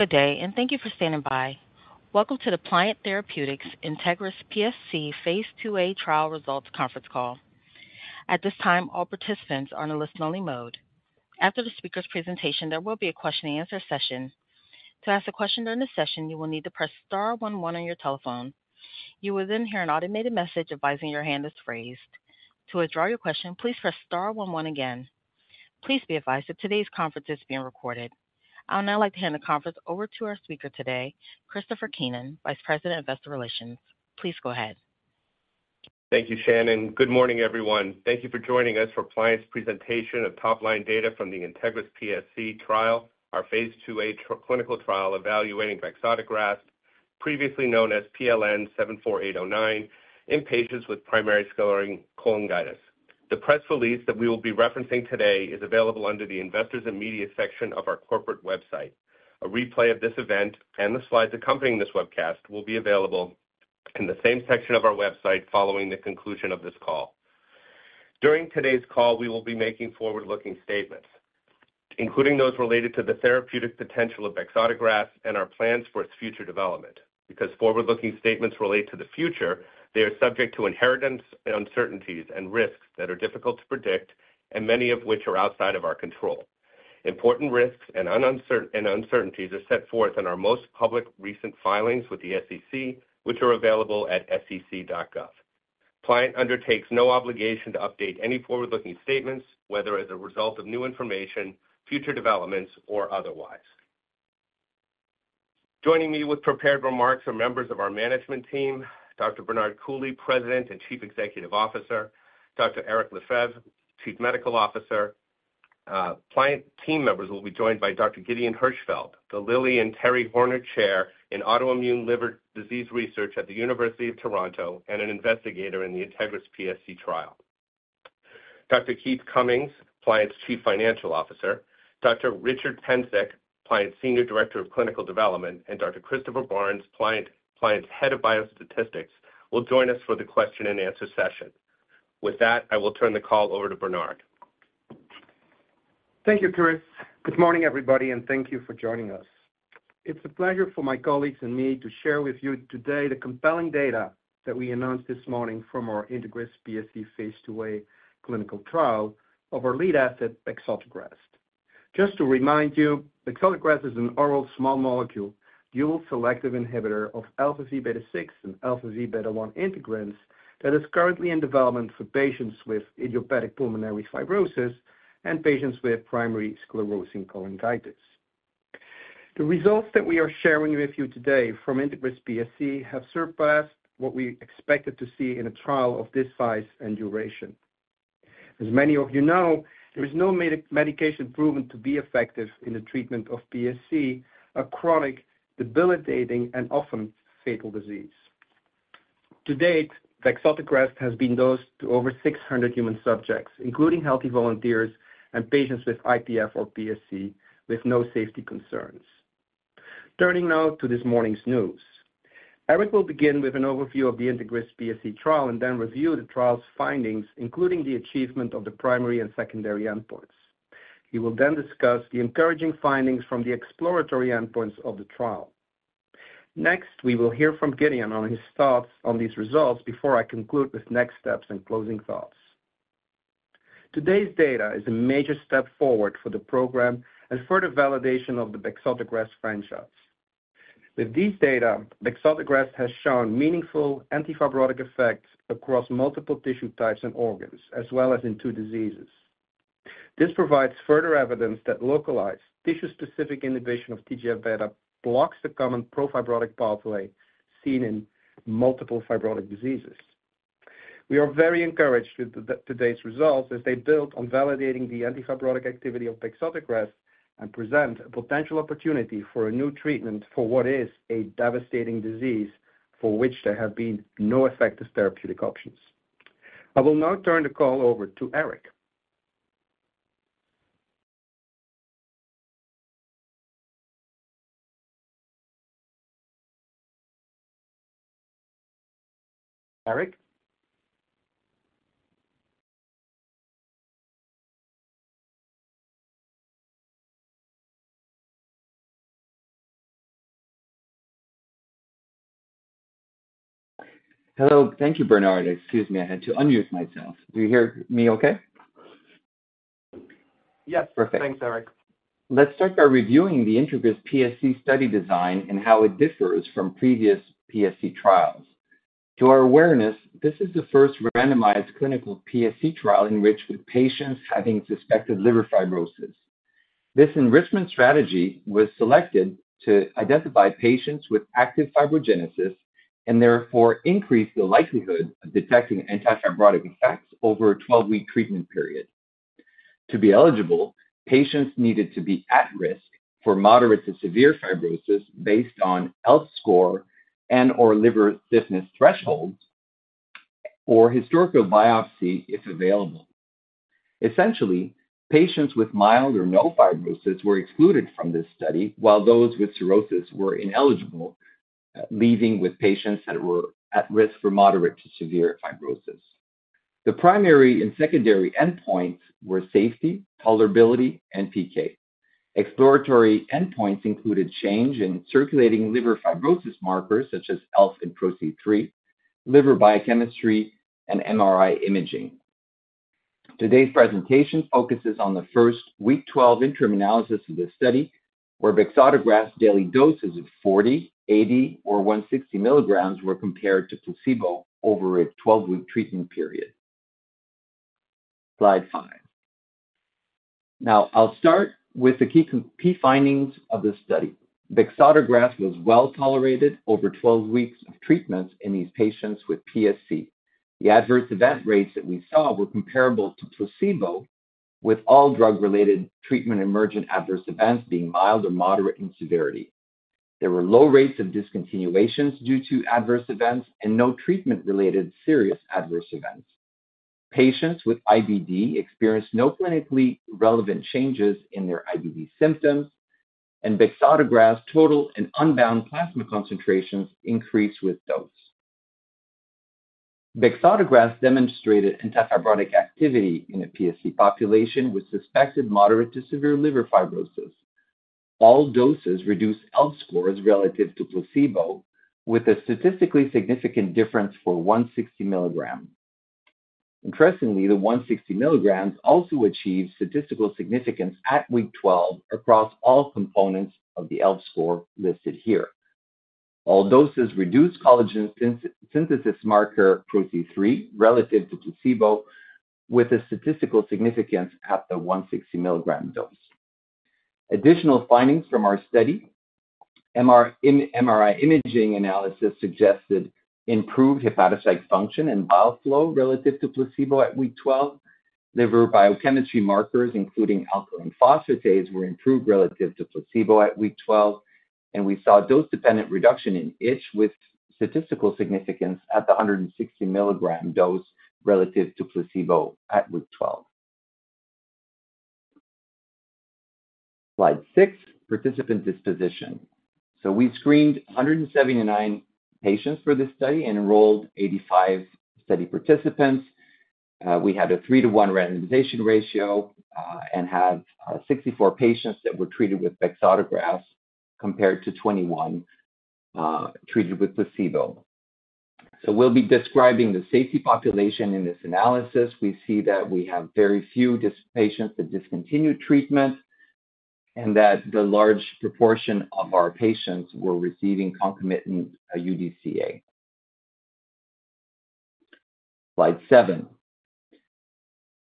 Good day, and thank you for standing by. Welcome to the Pliant Therapeutics INTEGRIS-PSC Phase 2a Trial Results Conference Call. At this time, all participants are on a listen-only mode. After the speaker's presentation, there will be a question-and-answer session. To ask a question during the session, you will need to press star one one on your telephone. You will then hear an automated message advising your hand is raised. To withdraw your question, please press star one one again. Please be advised that today's conference is being recorded. I'd now like to hand the conference over to our speaker today, Christopher Keenan, Vice President of Investor Relations. Please go ahead. Thank you, Shannon. Good morning, everyone. Thank you for joining us for Pliant's presentation of top-line data from the INTEGRIS-PSC trial, our Phase 2a clinical trial evaluating bexotegrast, previously known as PLN-74809, in patients with primary sclerosing cholangitis. The press release that we will be referencing today is available under the Investors and Media section of our corporate website. A replay of this event and the slides accompanying this webcast will be available in the same section of our website following the conclusion of this call. During today's call, we will be making forward-looking statements, including those related to the therapeutic potential of bexotegrast and our plans for its future development. Because forward-looking statements relate to the future, they are subject to inherent risks and uncertainties that are difficult to predict and many of which are outside of our control. Important risks and uncertainties are set forth in our most recent public filings with the SEC, which are available at sec.gov. Pliant undertakes no obligation to update any forward-looking statements, whether as a result of new information, future developments, or otherwise. Joining me with prepared remarks are members of our management team, Dr. Bernard Coulie, President and Chief Executive Officer, Dr. Éric Lefebvre, Chief Medical Officer. Pliant team members will be joined by Dr. Gideon Hirschfield, the Lily and Terry Horner Chair in Autoimmune Liver Disease Research at the University of Toronto and an investigator in the INTEGRIS-PSC trial. Dr. Keith Cummings, Pliant’s Chief Financial Officer, Dr. Richard Pancewicz, Pliant Senior Director of Clinical Development, and Dr. Christopher Barnes, Pliant’s Head of Biostatistics, will join us for the question-and-answer session. With that, I will turn the call over to Bernard. Thank you, Chris. Good morning, everybody, and thank you for joining us. It's a pleasure for my colleagues and me to share with you today the compelling data that we announced this morning from our INTEGRIS-PSC Phase 2a clinical trial of our lead asset, bexotegrast. Just to remind you, bexotegrast is an oral small molecule, dual selective inhibitor of alpha v beta 6 and alpha v beta 1 integrins, that is currently in development for patients with idiopathic pulmonary fibrosis and patients with primary sclerosing cholangitis. The results that we are sharing with you today from INTEGRIS-PSC have surpassed what we expected to see in a trial of this size and duration. As many of there is no medication proven to be effective in the treatment of PSC, a chronic, debilitating, and often fatal disease. To date, bexotegrast has been dosed to over 600 human subjects, including healthy volunteers and patients with IPF or PSC, with no safety concerns. Turning now to this morning's news. Eric will begin with an overview of the INTEGRIS-PSC trial and then review the trial's findings, including the achievement of the primary and secondary endpoints. He will then discuss the encouraging findings from the exploratory endpoints of the trial. Next, we will hear from Gideon on his thoughts on these results before I conclude with next steps and closing thoughts. Today's data is a major step forward for the program and further validation of the bexotegrast franchise. With these data, bexotegrast has shown meaningful antifibrotic effects across multiple tissue types and organs, as well as in two diseases. This provides further evidence that localized tissue-specific inhibition of TGF-beta blocks the common pro-fibrotic pathway seen in multiple fibrotic diseases. We are very encouraged with today's results as they build on validating the antifibrotic activity of bexotegrast and present a potential opportunity for a new treatment for what is a devastating disease for which there have been no effective therapeutic options. I will now turn the call over to Éric. Éric? Hello. Thank you, Bernard. Excuse me, I had to unmute myself. Do you hear me okay? Yes. Perfect. Thanks, Eric. Let's start by reviewing the INTEGRIS-PSC study design and how it differs from previous PSC trials. To our awareness, this is the first randomized clinical PSC trial enriched with patients having suspected liver fibrosis. This enrichment strategy was selected to identify patients with active fibrogenesis and therefore increase the likelihood of detecting antifibrotic effects over a 12-week treatment period. To be eligible, patients needed to be at risk for moderate to severe fibrosis based on ELF score and/or liver stiffness thresholds or historical biopsy, if available. Essentially, patients with mild or no fibrosis were excluded from this study, while those with cirrhosis were ineligible, leaving with patients that were at risk for moderate to severe fibrosis. The primary and secondary endpoints were safety, tolerability, and PK. Exploratory endpoints included change in circulating liver fibrosis markers such as ELF and PRO-C3, liver biochemistry, and MRI imaging. Today's presentation focuses on the first week 12 interim analysis of the study, where bexotegrast daily doses of 40, 80, or 160 milligrams were compared to placebo over a 12-week treatment period. Slide 5. Now, I'll start with the key findings of this study. Bexotegrast was well tolerated over 12 weeks of treatment in these patients with PSC. The adverse event rates that we saw were comparable to placebo, with all drug-related treatment-emergent adverse events being mild or moderate in severity. There were low rates of discontinuations due to adverse events and no treatment-related serious adverse events. Patients with IBD experienced no clinically relevant changes in their IBD symptoms, and bexotegrast total and unbound plasma concentrations increased with dose. Bexotegrast demonstrated antifibrotic activity in a PSC population with suspected moderate to severe liver fibrosis. All doses reduced ELF scores relative to placebo, with a statistically significant difference for 160 milligram. Interestingly, the 160 milligrams also achieved statistical significance at week 12 across all components of the ELF score listed here. All doses reduced collagen synthesis marker PRO-C3 relative to placebo, with a statistical significance at the 160 milligram dose. Additional findings from our study, MRI imaging analysis suggested improved hepatocyte function and bile flow relative to placebo at week 12. Liver biochemistry markers, including alkaline phosphatase, were improved relative to placebo at week 12, and we saw dose-dependent reduction in itch with statistical significance at the 160 milligram dose relative to placebo at week 12. Slide 6, participant disposition. So we screened 179 patients for this study and enrolled 85 study participants. We had a 3-to-1 randomization ratio, and had 64 patients that were treated with bexotegrast compared to 21 treated with placebo. So we'll be describing the safety population in this analysis. We see that we have very few patients that discontinued treatment and that the large proportion of our patients were receiving concomitant UDCA. Slide 7.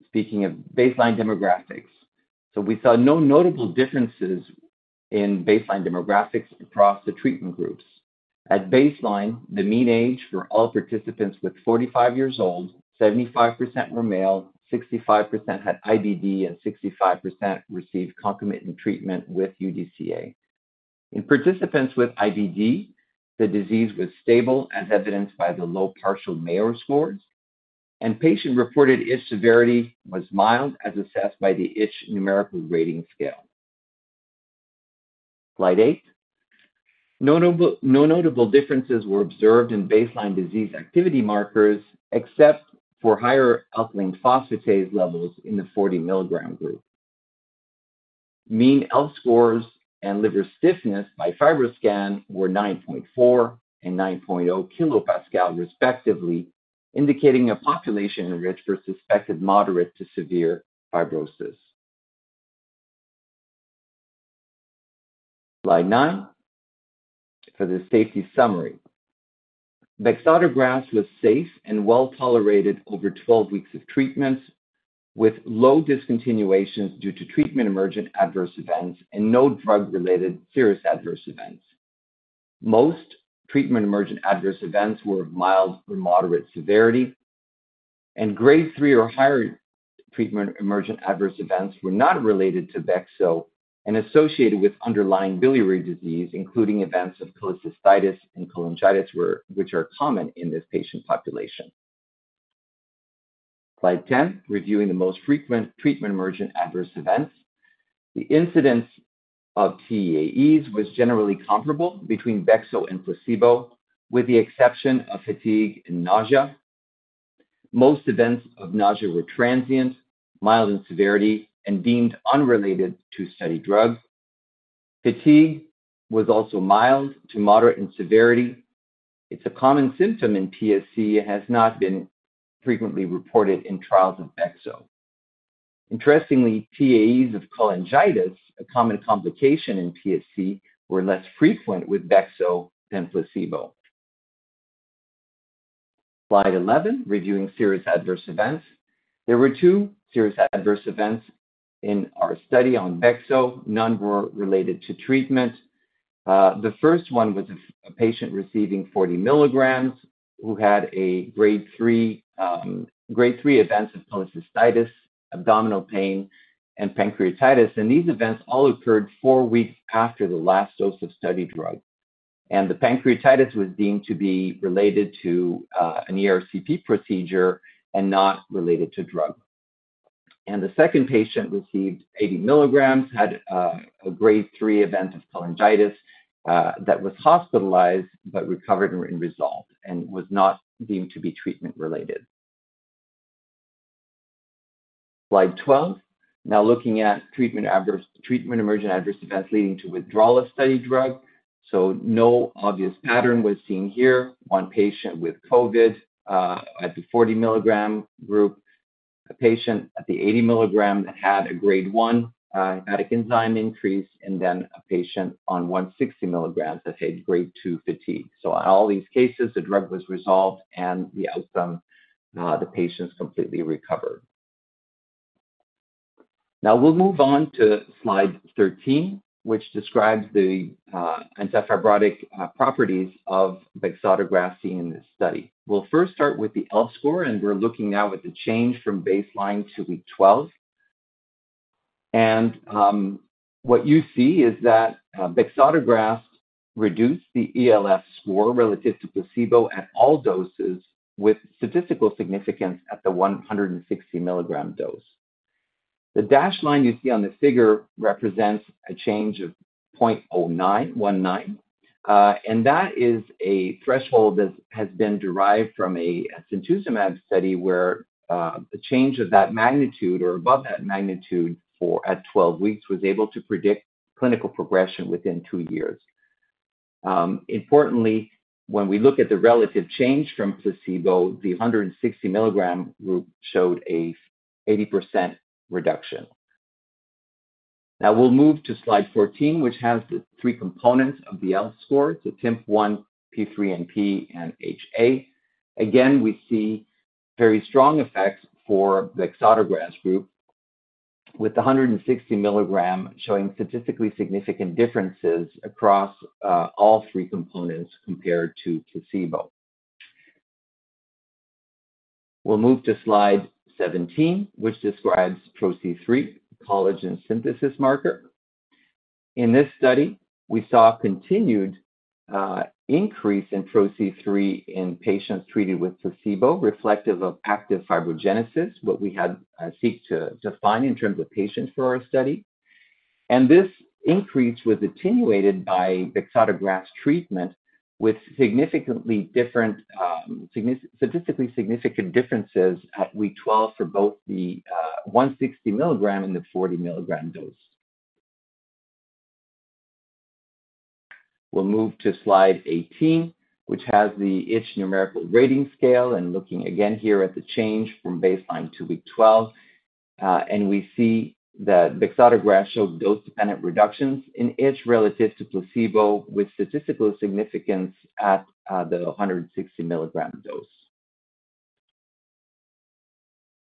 Speaking of baseline demographics. So we saw no notable differences in baseline demographics across the treatment groups. At baseline, the mean age for all participants was 45 years old, 75% were male, 65% had IBD, and 65% received concomitant treatment with UDCA. In participants with IBD, the disease was stable, as evidenced by the low Partial Mayo scores, and patient-reported itch severity was mild, as assessed by the Itch Numerical Rating Scale. Slide 8. No notable differences were observed in baseline disease activity markers, except for higher alkaline phosphatase levels in the 40-milligram group. Mean ELF scores and liver stiffness by FibroScan were 9.4 and 9.0 kPa, respectively, indicating a population at risk for suspected moderate to severe fibrosis. Slide 9, for the safety summary. Bexotegrast was safe and well-tolerated over 12 weeks of treatment, with low discontinuations due to treatment-emergent adverse events and no drug-related serious adverse events. Most treatment-emergent adverse events were of mild or moderate severity, and Grade 3 or higher treatment-emergent adverse events were not related to bexo and associated with underlying biliary disease, including events of cholecystitis and cholangitis, which are common in this patient population. Slide 10, reviewing the most frequent treatment-emergent adverse events. The incidence of TEAEs was generally comparable between Bexo and placebo, with the exception of fatigue and nausea. Most events of nausea were transient, mild in severity, and deemed unrelated to study drugs. Fatigue was also mild to moderate in severity. It's a common symptom in PSC and has not been frequently reported in trials of Bexo. Interestingly, TEAEs of cholangitis, a common complication in PSC, were less frequent with Bexo than placebo. Slide 11, reviewing serious adverse events. There were 2 serious adverse events in our study on Bexo. None were related to treatment. The first one was a patient receiving 40 milligrams, who had a Grade 3 events of cholecystitis, abdominal pain, and pancreatitis, and these events all occurred 4 weeks after the last dose of study drug. And the pancreatitis was deemed to be related to an ERCP procedure and not related to drug, and the second patient received 80 milligrams, had a grade 3 event of cholangitis that was hospitalized but recovered and resolved and was not deemed to be treatment-related. Slide 12. Now looking at treatment adverse, treatment emergent adverse events leading to withdrawal of study drug. So no obvious pattern was seen here. One patient with COVID at the 40 milligram group, a patient at the 80 milligram had a grade 1 hepatic enzyme increase, and then a patient on 160 milligrams that had grade 2 fatigue. So in all these cases, the drug was resolved and the outcome, the patients completely recovered. Now we'll move on to slide 13, which describes the antifibrotic properties of bexotegrast in this study. We'll first start with the ELF score, and we're looking now at the change from baseline to week 12. What you see is that bexotegrast reduced the ELF score relative to placebo at all doses, with statistical significance at the 160 mg dose. The dashed line you see on the figure represents a change of 0.19, and that is a threshold that has been derived from a simtuzumab study, where a change of that magnitude or above that magnitude at 12 weeks was able to predict clinical progression within 2 years. Importantly, when we look at the relative change from placebo, the 160 mg group showed an 80% reduction. Now we'll move to slide 14, which has the three components of the ELF score, the TIMP-1, P3NP, and HA. Again, we see very strong effects for the bexotegrast group, with the 160 milligram showing statistically significant differences across all three components compared to placebo. We'll move to slide 17, which describes PRO-C3, collagen synthesis marker. In this study, we saw a continued increase in PRO-C3 in patients treated with placebo, reflective of active fibrogenesis, what we had seek to find in terms of patients for our study. And this increase was attenuated by bexotegrast treatment, with statistically significant differences at week 12 for both the 160 milligram and the 40 milligram dose. We'll move to slide 18, which has the itch numerical rating scale, and looking again here at the change from baseline to week 12, and we see that bexotegrast showed dose-dependent reductions in itch relative to placebo, with statistical significance at the 160 milligram dose.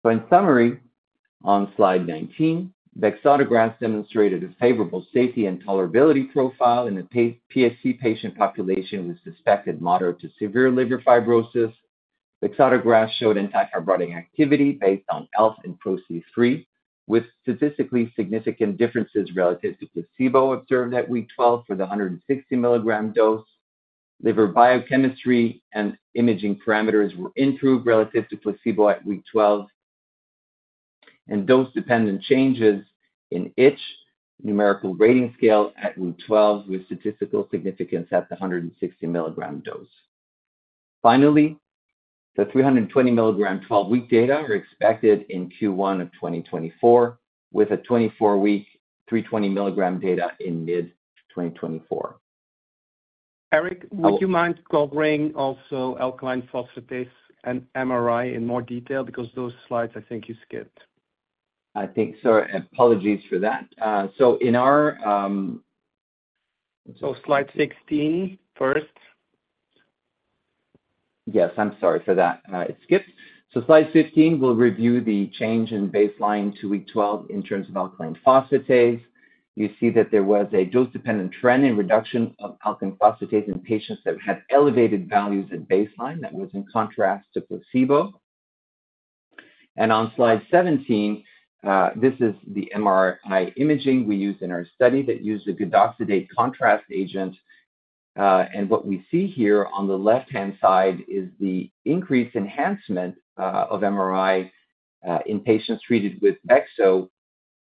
So in summary, on slide 19, bexotegrast demonstrated a favorable safety and tolerability profile in the PSC patient population with suspected moderate to severe liver fibrosis. Bexotegrast showed anti-fibrotic activity based on ELF and PRO-C3, with statistically significant differences relative to placebo observed at week 12 for the 160 milligram dose. Liver biochemistry and imaging parameters were improved relative to placebo at week 12, and dose-dependent changes in itch numerical rating scale at week 12, with statistical significance at the 160 milligram dose. Finally, the 320 milligram 12-week data are expected in Q1 of 2024, with a 24-week, 320 milligram data in mid-2024. Éric, would you mind covering also alkaline phosphatase and MRI in more detail? Because those slides, I think you skipped. I think so. Apologies for that. So in our, Slide 16 first. Yes, I'm sorry for that. It skipped. So slide 15 will review the change in baseline to week 12 in terms of alkaline phosphatase. You see that there was a dose-dependent trend in reduction of alkaline phosphatase in patients that had elevated values at baseline. That was in contrast to placebo. And on slide 17, this is the MRI imaging we used in our study that used a gadoxetate contrast agent. And what we see here on the left-hand side is the increased enhancement of MRI in patients treated with bexo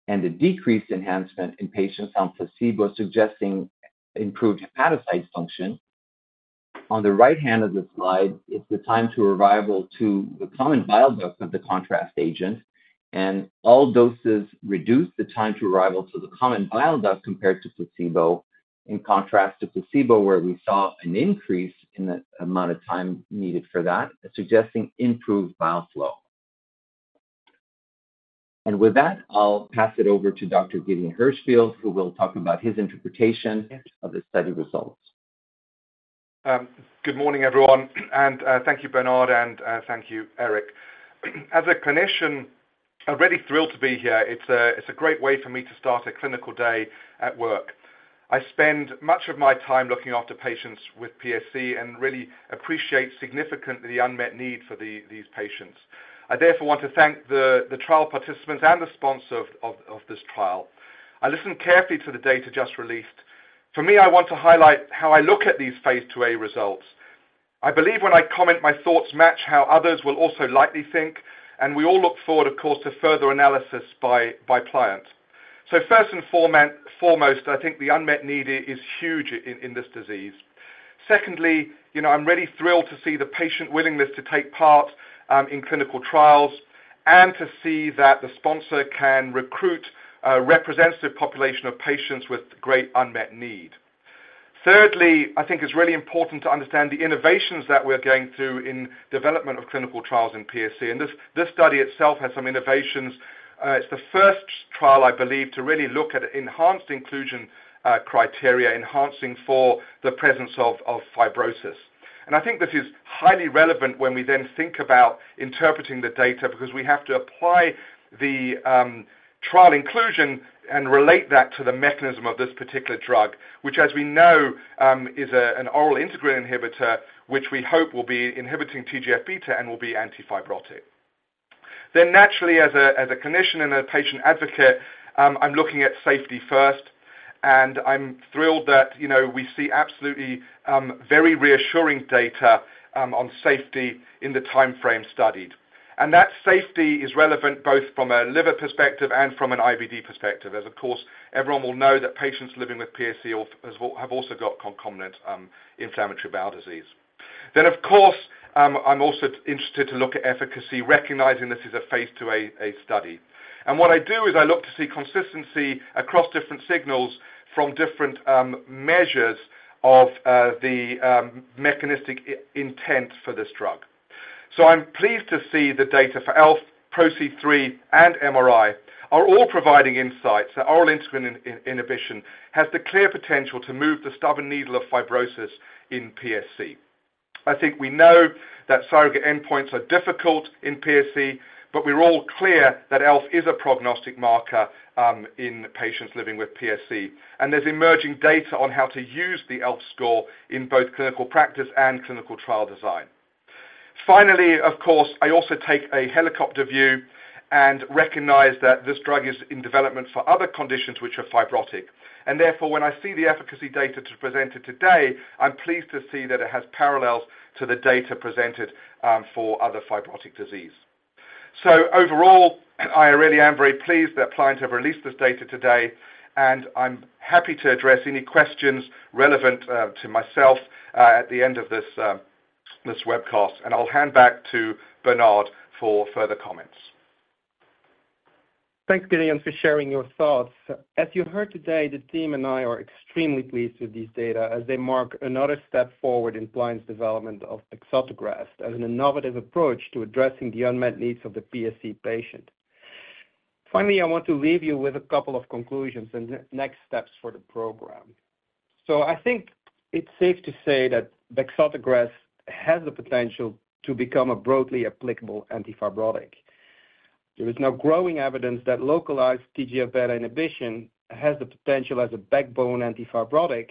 and a decreased enhancement in patients on placebo, suggesting improved hepatocyte function. On the right hand of the slide, it's the time to arrival to the common bile duct of the contrast agent, and all doses reduce the time to arrival to the common bile duct compared to placebo, in contrast to placebo, where we saw an increase in the amount of time needed for that, suggesting improved bile flow. And with that, I'll pass it over to Dr. Gideon Hirschfield, who will talk about his interpretation of the study results. Good morning, everyone, and thank you, Bernard, and thank you, Eric. As a clinician, I'm really thrilled to be here. It's a great way for me to start a clinical day at work. I spend much of my time looking after patients with PSC and really appreciate significantly the unmet need for these patients. I therefore want to thank the trial participants and the sponsor of this trial. I listened carefully to the data just released. For me, I want to highlight how I look at these Phase IIa results. I believe when I comment, my thoughts match how others will also likely think, and we all look forward, of course, to further analysis by Pliant. So first and foremost, I think the unmet need is huge in this disease. Secondly, I'm really thrilled to see the patient willingness to take part in clinical trials and to see that the sponsor can recruit a representative population of patients with great unmet need. Thirdly, I think it's really important to understand the innovations that we're going through in development of clinical trials in PSC, and this study itself has some innovations. It's the first trial, I believe, to really look at enhanced inclusion criteria, enhancing for the presence of fibrosis. And I think this is highly relevant when we then think about interpreting the data, because we have to apply the trial inclusion and relate that to the mechanism of this particular drug, which, as we know, is an oral integrin inhibitor, which we hope will be inhibiting TGF-beta and will be antifibrotic. Then naturally, as a clinician and a patient advocate, I'm looking at safety first, and I'm thrilled that, we see absolutely very reassuring data on safety in the time frame studied. And that safety is relevant both from a liver perspective and from an IBD perspective, as of course, everyone will know that patients living with PSC also have got concomitant inflammatory bowel disease. Then, of course, I'm also interested to look at efficacy, recognizing this is a phase 2a study. And what I do is I look to see consistency across different signals from different measures of the mechanistic intent for this drug. So I'm pleased to see the data for ELF, PRO-C3, and MRI are all providing insights that oral integrin inhibition has the clear potential to move the stubborn needle of fibrosis in PSC. I think we know that surrogate endpoints are difficult in PSC, but we're all clear that ELF is a prognostic marker in patients living with PSC. And there's emerging data on how to use the ELF score in both clinical practice and clinical trial design. Finally, of course, I also take a helicopter view and recognize that this drug is in development for other conditions which are fibrotic, and therefore, when I see the efficacy data presented today, I'm pleased to see that it has parallels to the data presented for other fibrotic disease. So overall, I really am very pleased that Pliant has released this data today, and I'm happy to address any questions relevant to myself at the end of this webcast. I'll hand back to Bernard for further comments. Thanks, Gideon, for sharing your thoughts. As you heard today, the team and I are extremely pleased with these data as they mark another step forward in Pliant's development of bexotegrast as an innovative approach to addressing the unmet needs of the PSC patient. Finally, I want to leave you with a couple of conclusions and next steps for the program. So I think it's safe to say that bexotegrast has the potential to become a broadly applicable antifibrotic. There is now growing evidence that localized TGF-beta inhibition has the potential as a backbone antifibrotic,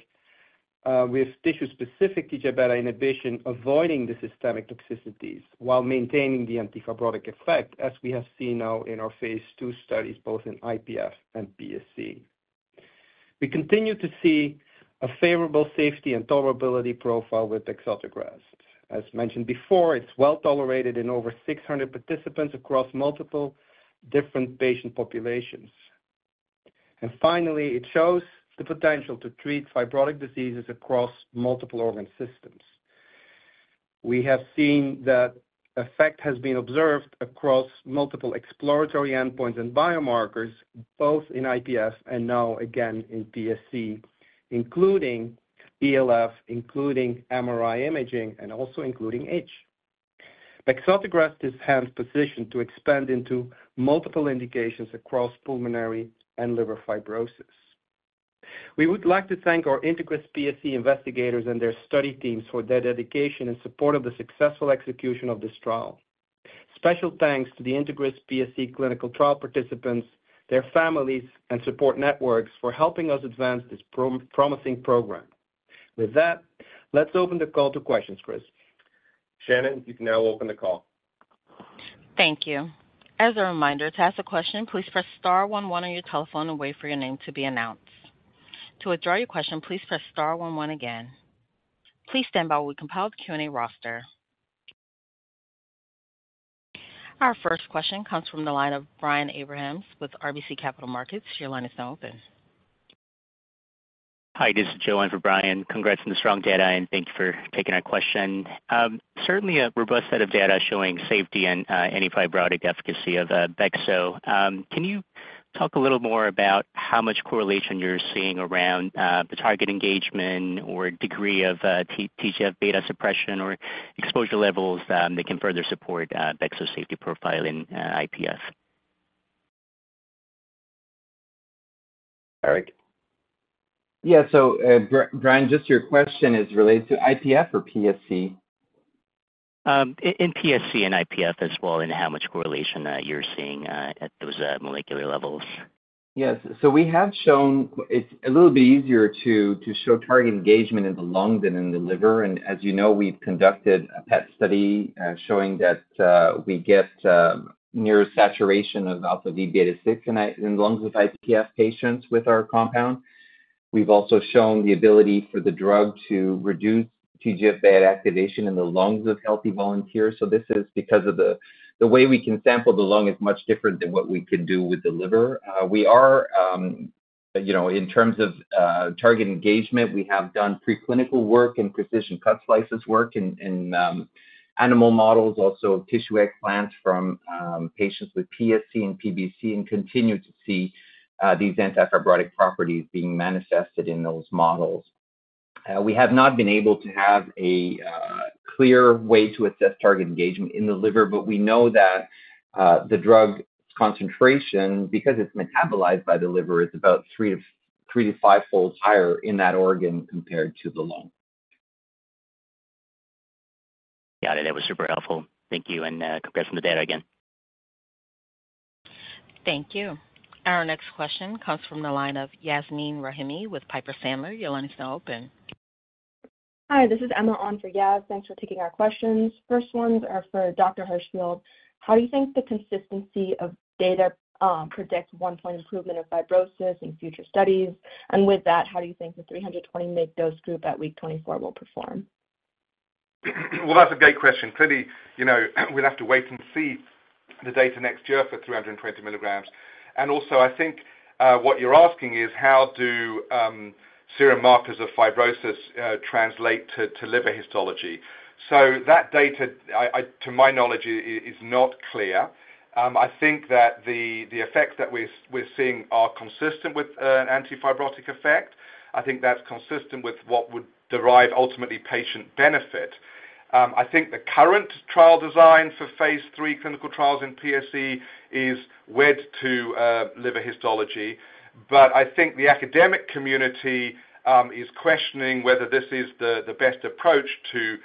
with tissue-specific TGF-beta inhibition, avoiding the systemic toxicities while maintaining the antifibrotic effect, as we have seen now in our phase II studies, both in IPF and PSC. We continue to see a favorable safety and tolerability profile with bexotegrast. As mentioned before, it's well tolerated in over 600 participants across multiple different patient populations. Finally, it shows the potential to treat fibrotic diseases across multiple organ systems. We have seen that effect has been observed across multiple exploratory endpoints and biomarkers, both in IPF and now again in PSC, including ELF, including MRI imaging, and also including HA. Bexotegrast is well-positioned to expand into multiple indications across pulmonary and liver fibrosis. We would like to thank our INTEGRIS-PSC investigators and their study teams for their dedication and support of the successful execution of this trial. Special thanks to the INTEGRIS-PSC clinical trial participants, their families, and support networks for helping us advance this promising program. With that, let's open the call to questions, Chris. Shannon, you can now open the call. Thank you. As a reminder, to ask a question, please press star one one on your telephone and wait for your name to be announced. To withdraw your question, please press star one one again. Please stand by while we compile the Q&A roster. Our first question comes from the line of Brian Abrahams with RBC Capital Markets. Your line is now open. Hi, this is Joanne for Brian. Congrats on the strong data, and thank you for taking our question. Certainly a robust set of data showing safety and antifibrotic efficacy of bexo. Can you talk a little more about how much correlation you're seeing around the target engagement or degree of TGF-beta suppression or exposure levels that they can further support bexo's safety profile in IPF? Eric? So, Brian, just your question is related to IPF or PSC? In PSC and IPF as well, and how much correlation you're seeing at those molecular levels? Yes. So we have shown it's a little bit easier to show target engagement in the lung than in the liver. And as we've conducted a PET study showing that we get near saturation of alpha V beta 6 in lungs with IPF patients with our compound. We've also shown the ability for the drug to reduce TGF-beta activation in the lungs of healthy volunteers. So this is because of the way we can sample the lung is much different than what we could do with the liver. We are, in terms of target engagement, we have done preclinical work and precision cut slices work in animal models, also tissue explants from patients with PSC and PBC, and continue to see these antifibrotic properties being manifested in those models. We have not been able to have a clear way to assess target engagement in the liver, but we know that the drug concentration, because it's metabolized by the liver, is about 3- to 5-fold higher in that organ compared to the lung. Got it. That was super helpful. Thank you, and, congrats on the data again. Thank you. Our next question comes from the line of Yasmeen Rahimi with Piper Sandler. Your line is now open. Hi, this is Emma on for Yas. Thanks for taking our questions. First ones are for Dr. Hirschfield. How do you think the consistency of data predicts one-point improvement of fibrosis in future studies? And with that, how do you think the 320 mg dose group at week 24 will perform? Well, that's a great question. Clearly, we'll have to wait and see the data next year for 320 milligrams. And also, I think, what you're asking is: how do serum markers of fibrosis translate to liver histology? So that data, to my knowledge, is not clear. I think that the effects that we're seeing are consistent with an antifibrotic effect. I think that's consistent with what would derive ultimately patient benefit. I think the current trial design for Phase 3 clinical trials in PSC is wedded to liver histology, but I think the academic community is questioning whether this is the best approach to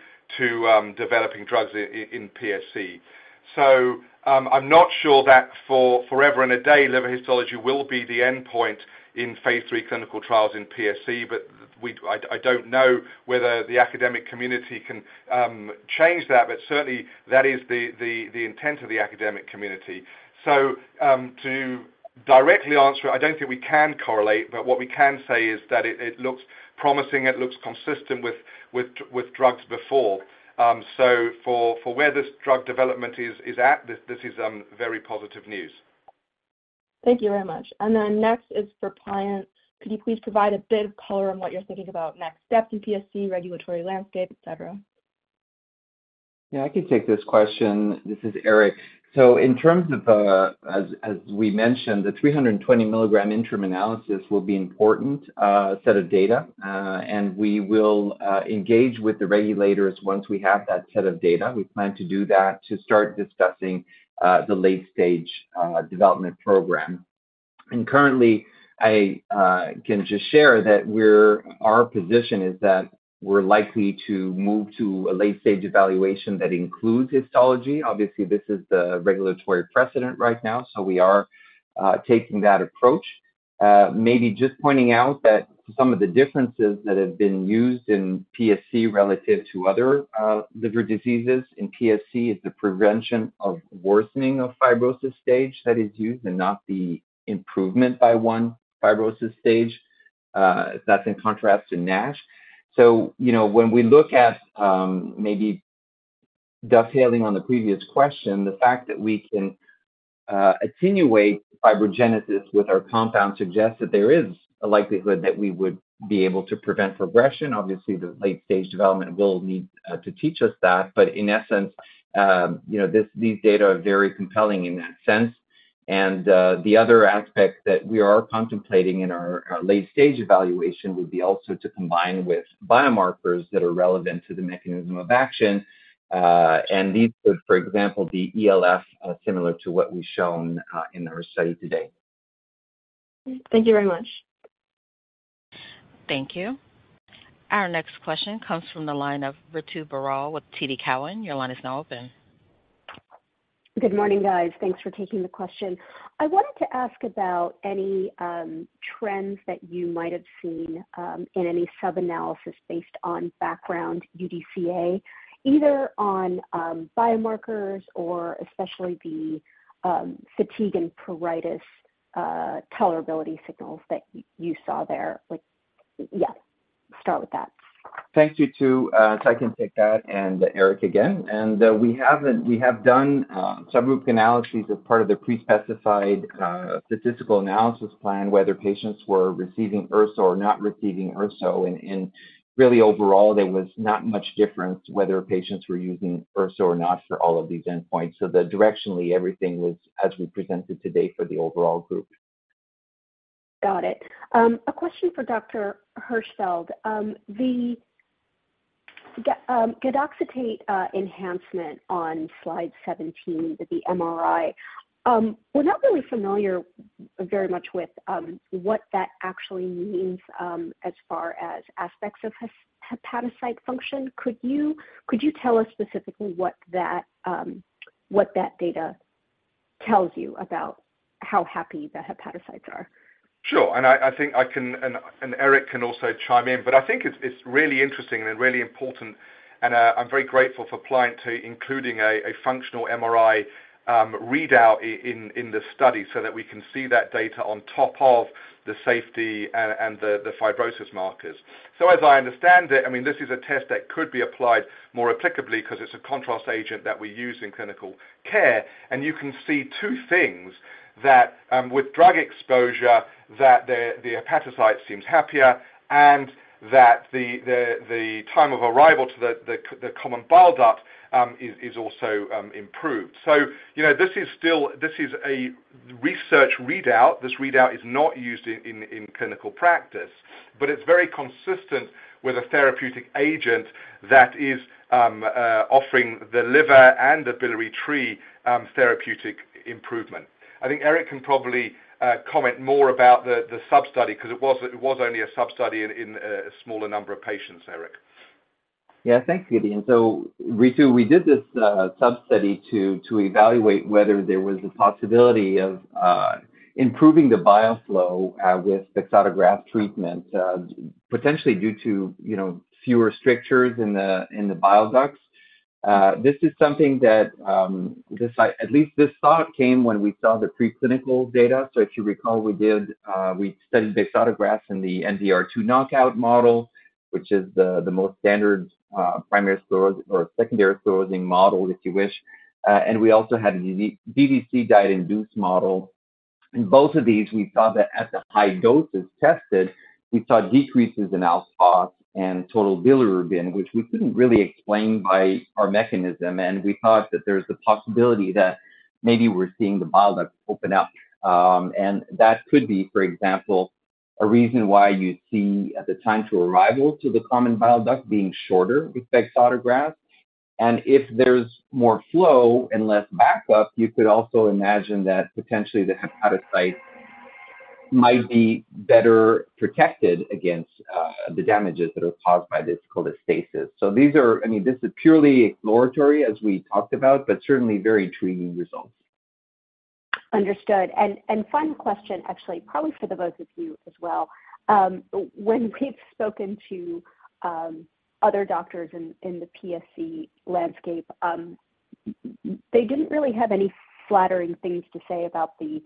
developing drugs in PSC. So, I'm not sure that for forever and a day, liver histology will be the endpoint in phase 3 clinical trials in PSC, but I don't know whether the academic community can change that, but certainly that is the intent of the academic community. So, to directly answer, I don't think we can correlate, but what we can say is that it looks promising, it looks consistent with drugs before. So for where this drug development is at, this is very positive news. Thank you very much. And then next is for Pliant. Could you please provide a bit of color on what you're thinking about next steps in PSC, regulatory landscape, et cetera? I can take this question. This is Eric. So in terms of, as we mentioned, the 320 milligram interim analysis will be important set of data, and we will engage with the regulators once we have that set of data. We plan to do that to start discussing the late-stage development program. And currently, I can just share that we're-our position is that we're likely to move to a late-stage evaluation that includes histology. Obviously, this is the regulatory precedent right now, so we are taking that approach. Maybe just pointing out that some of the differences that have been used in PSC relative to other liver diseases in PSC is the prevention of worsening of fibrosis stage that is used and not the improvement by one fibrosis stage. That's in contrast to NASH. So when we look at, maybe dovetailing on the previous question, the fact that we can attenuate fibrogenesis with our compound suggests that there is a likelihood that we would be able to prevent progression. Obviously, the late-stage development will need to teach us that, but in essence, this, these data are very compelling in that sense. And the other aspect that we are contemplating in our, our late-stage evaluation would be also to combine with biomarkers that are relevant to the mechanism of action, and these would, for example, be ELF, similar to what we've shown in our study today. Thank you very much. Thank you. Our next question comes from the line of Ritu Baral with TD Cowen. Your line is now open. Good morning, guys. Thanks for taking the question. I wanted to ask about any trends that you might have seen in any sub-analysis based on background UDCA, either on biomarkers or especially the fatigue and pruritus tolerability signals that you saw there start with that. Thanks, Ritu. So I can take that, and Eric again. We have done subgroup analyses as part of the pre-specified statistical analysis plan, whether patients were receiving URSO or not receiving URSO, and really overall, there was not much difference whether patients were using URSO or not for all of these endpoints. So directionally, everything was as we presented today for the overall group. Got it. A question for Dr. Hirschfield. The gadoxetate enhancement on slide 17, the MRI. We're not really familiar very much with what that actually means as far as aspects of hepatocyte function. Could you tell us specifically what that data means tells you about how happy the hepatocytes are? Sure. And I think I can, and Eric can also chime in, but I think it's really interesting and really important, and I'm very grateful for Pliant including a functional MRI readout in the study so that we can see that data on top of the safety and the fibrosis markers. So as I understand it, I mean, this is a test that could be applied more applicably 'cause it's a contrast agent that we use in clinical care. And you can see two things, that with drug exposure, the hepatocyte seems happier and that the time of arrival to the common bile duct is also improved. So this is still a research readout. This readout is not used in clinical practice, but it's very consistent with a therapeutic agent that is offering the liver and the biliary tree therapeutic improvement. I think Éric can probably comment more about the sub-study, 'cause it was only a sub-study in a smaller number of patients, Éric. Thanks, Gideon. So Ritu, we did this sub-study to evaluate whether there was a possibility of improving the bile flow with bexotegrast treatment, potentially due to, fewer strictures in the bile ducts. This is something that at least this thought came when we saw the preclinical data. So if you recall, we did we studied bexotegrast in the MDR2 knockout model, which is the most standard primary or secondary cirrhosis model, if you wish. And we also had a DDC diet-induced model. In both of these, we saw that at the high doses tested, we saw decreases in ALP and total bilirubin, which we couldn't really explain by our mechanism, and we thought that there was a possibility that maybe we're seeing the bile duct open up. That could be, for example, a reason why you see at the time to arrival to the common bile duct being shorter with bexotegrast. And if there's more flow and less backup, you could also imagine that potentially the hepatocyte might be better protected against, the damages that are caused by this cholestasis. So these are, this is purely exploratory, as we talked about, but certainly very intriguing results. Understood. And final question, actually, probably for the both of you as well. When we've spoken to other doctors in the PSC landscape, they didn't really have any flattering things to say about the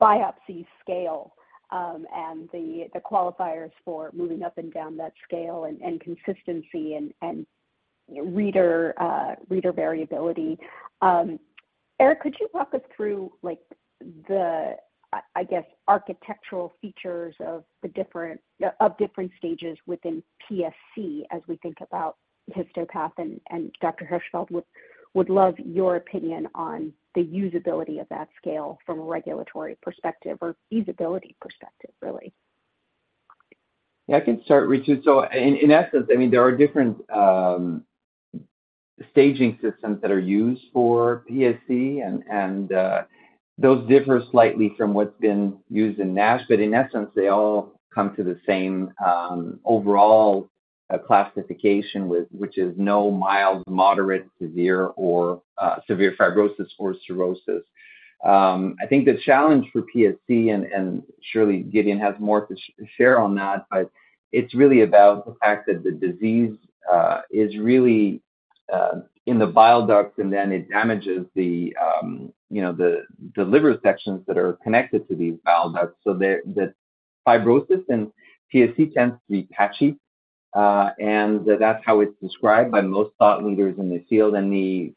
biopsy scale, and the qualifiers for moving up and down that scale and reader variability. Éric, could you walk us through, like, the, I guess, architectural features of the different stages within PSC as we think about histopath? And Dr. Hirschfield would love your opinion on the usability of that scale from a regulatory perspective or feasibility perspective, really. I can start, Ritu. So in essence, I mean, there are different staging systems that are used for PSC, and those differ slightly from what's been used in NASH, but in essence, they all come to the same overall classification, which is no mild, moderate, severe, or severe fibrosis or cirrhosis. I think the challenge for PSC, and surely Gideon has more to share on that, but it's really about the fact that the disease is really in the bile duct, and then it damages the liver sections that are connected to these bile ducts. So the fibrosis in PSC tends to be patchy, and that's how it's described by most thought leaders in the field. The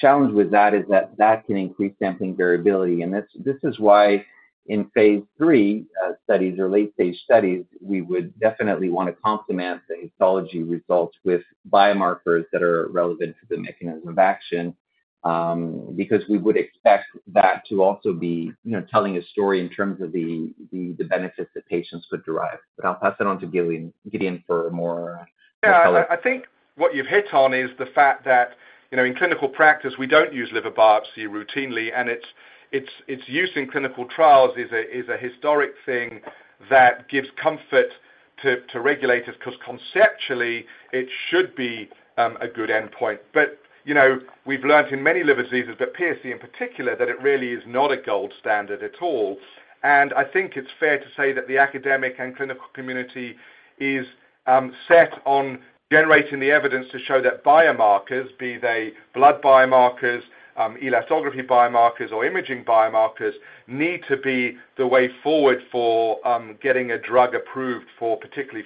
challenge with that is that that can increase sampling variability, and this is why in Phase III studies or late-stage studies, we would definitely wanna complement the histology results with biomarkers that are relevant to the mechanism of action, because we would expect that to also be, telling a story in terms of the benefits that patients could derive. But I'll pass it on to Gideon for more color. I think what you've hit on is the fact that, in clinical practice, we don't use liver biopsy routinely, and its use in clinical trials is a historic thing that gives comfort to regulators, 'cause conceptually, it should be a good endpoint. But, we've learned in many liver diseases, but PSC in particular, that it really is not a gold standard at all. And I think it's fair to say that the academic and clinical community is set on generating the evidence to show that biomarkers, be they blood biomarkers, elastography biomarkers or imaging biomarkers, need to be the way forward for getting a drug approved for, particularly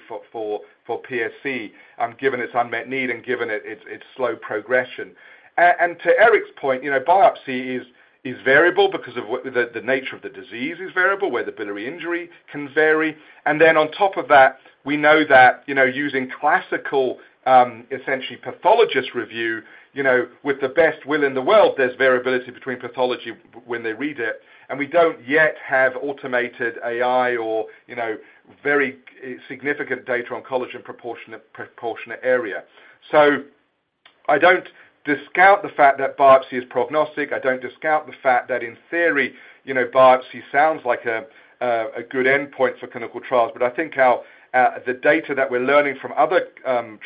for PSC, given its unmet need and given its slow progression. And to Eric's point, biopsy is variable because of what the nature of the disease is variable, where the biliary injury can vary. And then on top of that, we know that, using classical, essentially pathologist review, with the best will in the world, there's variability between pathology when they read it, and we don't yet have automated AI or, very significant data on collagen proportionate area. So I don't discount the fact that biopsy is prognostic. I don't discount the fact that, in theory, biopsy sounds like a good endpoint for clinical trials. But I think the data that we're learning from other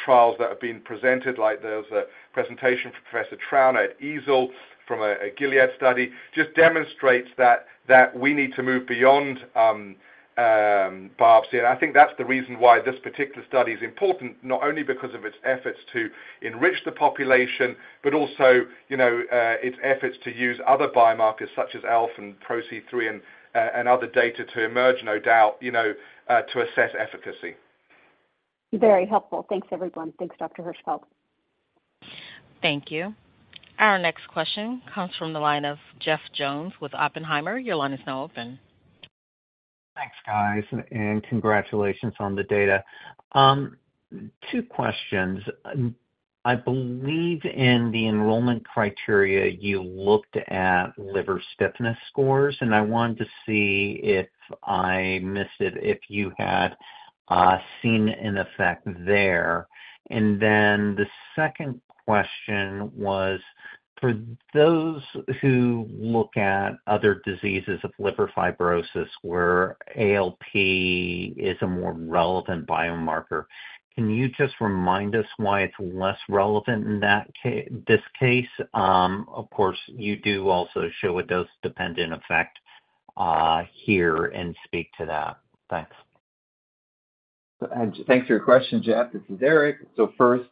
trials that have been presented, like there was a presentation from Professor Trauner at EASL from a Gilead study, just demonstrates that we need to move beyond biopsy. And I think that's the reason why this particular study is important, not only because of its efforts to enrich the population, but also, its efforts to use other biomarkers such as ALP and PRO-C3 and other data to emerge, no doubt, to assess efficacy. Very helpful. Thanks, everyone. Dr. Hirschfield. Thank you. Our next question comes from the line of Jeff Jones with Oppenheimer. Your line is now open. Thanks, guys, and congratulations on the data. Two questions. I believe in the enrollment criteria, you looked at liver stiffness scores, and I wanted to see if I missed it, if you had seen an effect there. Then the second question was, for those who look at other diseases of liver fibrosis, where ALP is a more relevant biomarker, can you just remind us why it's less relevant in that—this case? Of course, you do also show a dose-dependent effect here and speak to that. Thanks. Thanks for your question, Jeff. This is Eric. So first,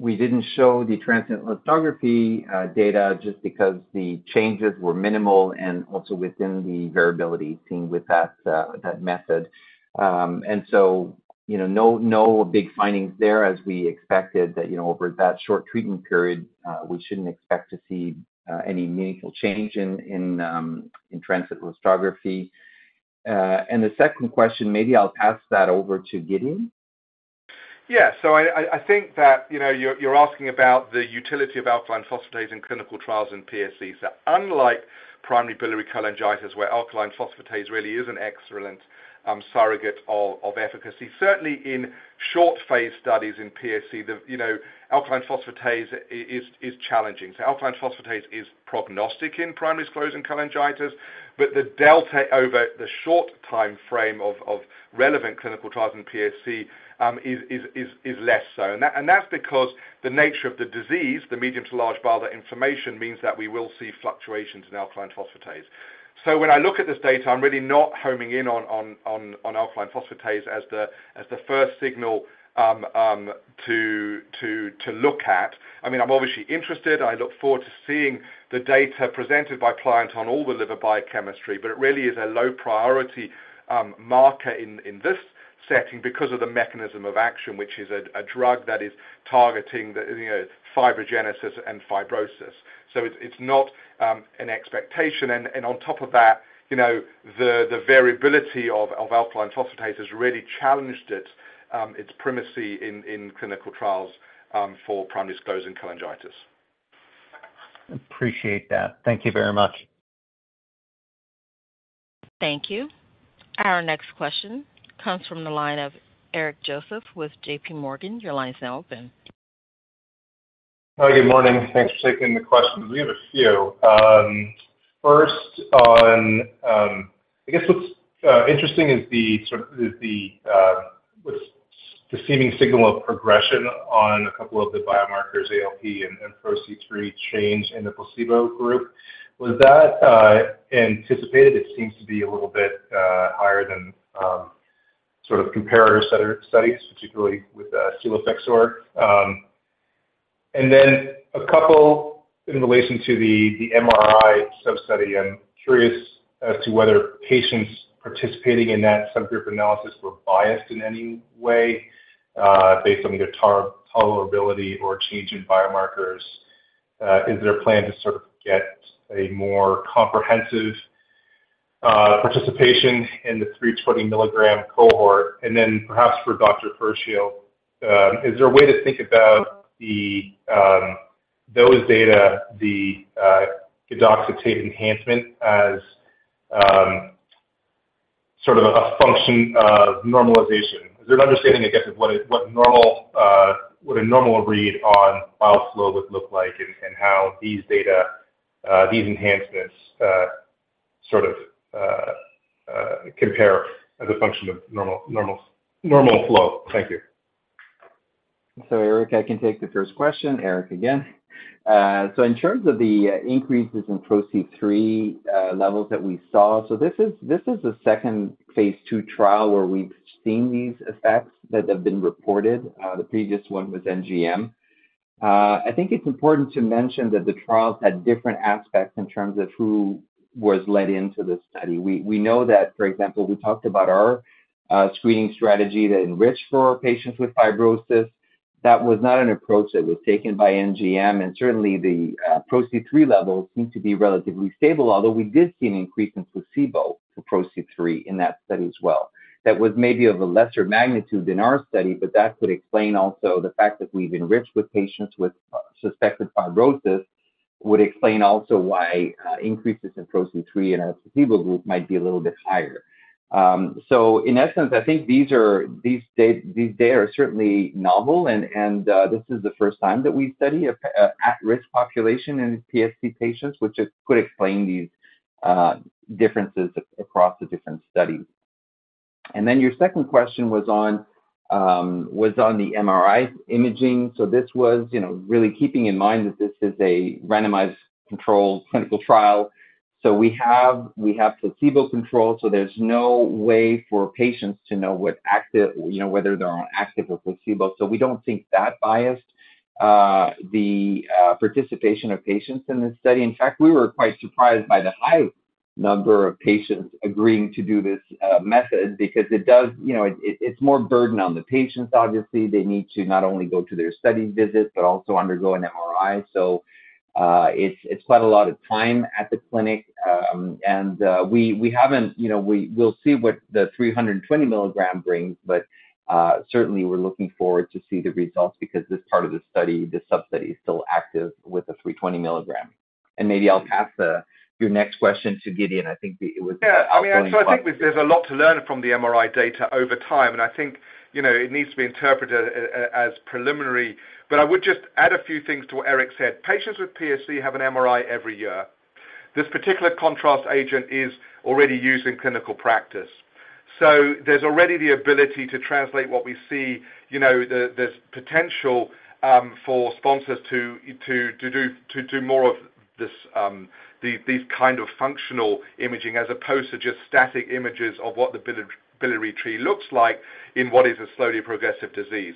we didn't show the transient elastography data just because the changes were minimal and also within the variability seen with that, that method. And so, no, no big findings there as we expected that, over that short treatment period, we shouldn't expect to see any meaningful change in transient elastography. And the second question, maybe I'll pass that over to Gideon. So I think that, you're asking about the utility of alkaline phosphatase in clinical trials in PSC. So unlike primary biliary cholangitis, where alkaline phosphatase really is an excellent surrogate of efficacy, certainly in short phase studies in PSC, alkaline phosphatase is challenging. So alkaline phosphatase is prognostic in primary sclerosing cholangitis, but the delta over the short timeframe of relevant clinical trials in PSC is less so. And that's because the nature of the disease, the medium to large bile inflammation, means that we will see fluctuations in alkaline phosphatase. So when I look at this data, I'm really not homing in on alkaline phosphatase as the first signal to look at. I mean, I'm obviously interested. I look forward to seeing the data presented by Pliant on all the liver biochemistry, but it really is a low priority marker in this setting because of the mechanism of action, which is a drug that is targeting the, fibrogenesis and fibrosis. So it's not an expectation. And on top of that, the variability of alkaline phosphatase has really challenged its primacy in clinical trials for primary sclerosing cholangitis. Appreciate that. Thank you very much. Thank you. Our next question comes from the line of Eric Joseph with JP Morgan. Your line is now open. Hi, good morning. Thanks for taking the questions. We have a few. First, on, I guess what's interesting is the sort of the, what's the seeming signal of progression on a couple of the biomarkers, ALP and, and PRO-C3 change in the placebo group. Was that anticipated? It seems to be a little bit higher than sort of comparator studies, particularly with seladelpar. And then a couple in relation to the, the MRI sub-study. I'm curious as to whether patients participating in that subgroup analysis were biased in any way, based on their tolerability or change in biomarkers. Is there a plan to sort of get a more comprehensive participation in the 320 milligram cohort? And then perhaps for Dr. Hirschfield, is there a way to think about those data, the gadoxetic acid enhancement as sort of a function of normalization? Is there an understanding, I guess, of what a normal read on bile flow would look like and how these data, these enhancements sort of compare as a function of normal flow? Thank you. So, Eric, I can take the first question. Eric again. So in terms of the increases in PRO-C3 levels that we saw, so this is the second phase 2 trial where we've seen these effects that have been reported. The previous one was NGM. I think it's important to mention that the trials had different aspects in terms of who was let into the study. We know that, for example, we talked about our screening strategy to enrich for patients with fibrosis. That was not an approach that was taken by NGM, and certainly the PRO-C3 levels seem to be relatively stable. Although we did see an increase in placebo for PRO-C3 in that study as well. That was maybe of a lesser magnitude in our study, but that could explain also the fact that we've enriched with patients with suspected fibrosis. would explain also why increases in PRO-C3 in our placebo group might be a little bit higher. So in essence, I think these are, these data are certainly novel and this is the first time that we study a at-risk population in PSC patients, which is could explain these differences across the different studies. And then your second question was on was on the MRI imaging. So this was, really keeping in mind that this is a randomized controlled clinical trial. So we have, we have placebo control, so there's no way for patients to know what active, whether they're on active or placebo. So we don't think that biased the participation of patients in this study. In fact, we were quite surprised by the high number of patients agreeing to do this method because it does, it's more burden on the patients. Obviously, they need to not only go to their study visits but also undergo an MRI. So it's quite a lot of time at the clinic. We'll see what the 320 milligram brings, but certainly we're looking forward to see the results because this part of the study, the substudy, is still active with the 320 milligram. And maybe I'll pass your next question to Gideon. I think it would be- So there's a lot to learn from the MRI data over time, and I think, it needs to be interpreted as preliminary. But I would just add a few things to what Eric said. Patients with PSC have an MRI every year. This particular contrast agent is already used in clinical practice, so there's already the ability to translate what we see. there's potential for sponsors to do more of this, these kind of functional imaging as opposed to just static images of what the biliary tree looks like in what is a slowly progressive disease.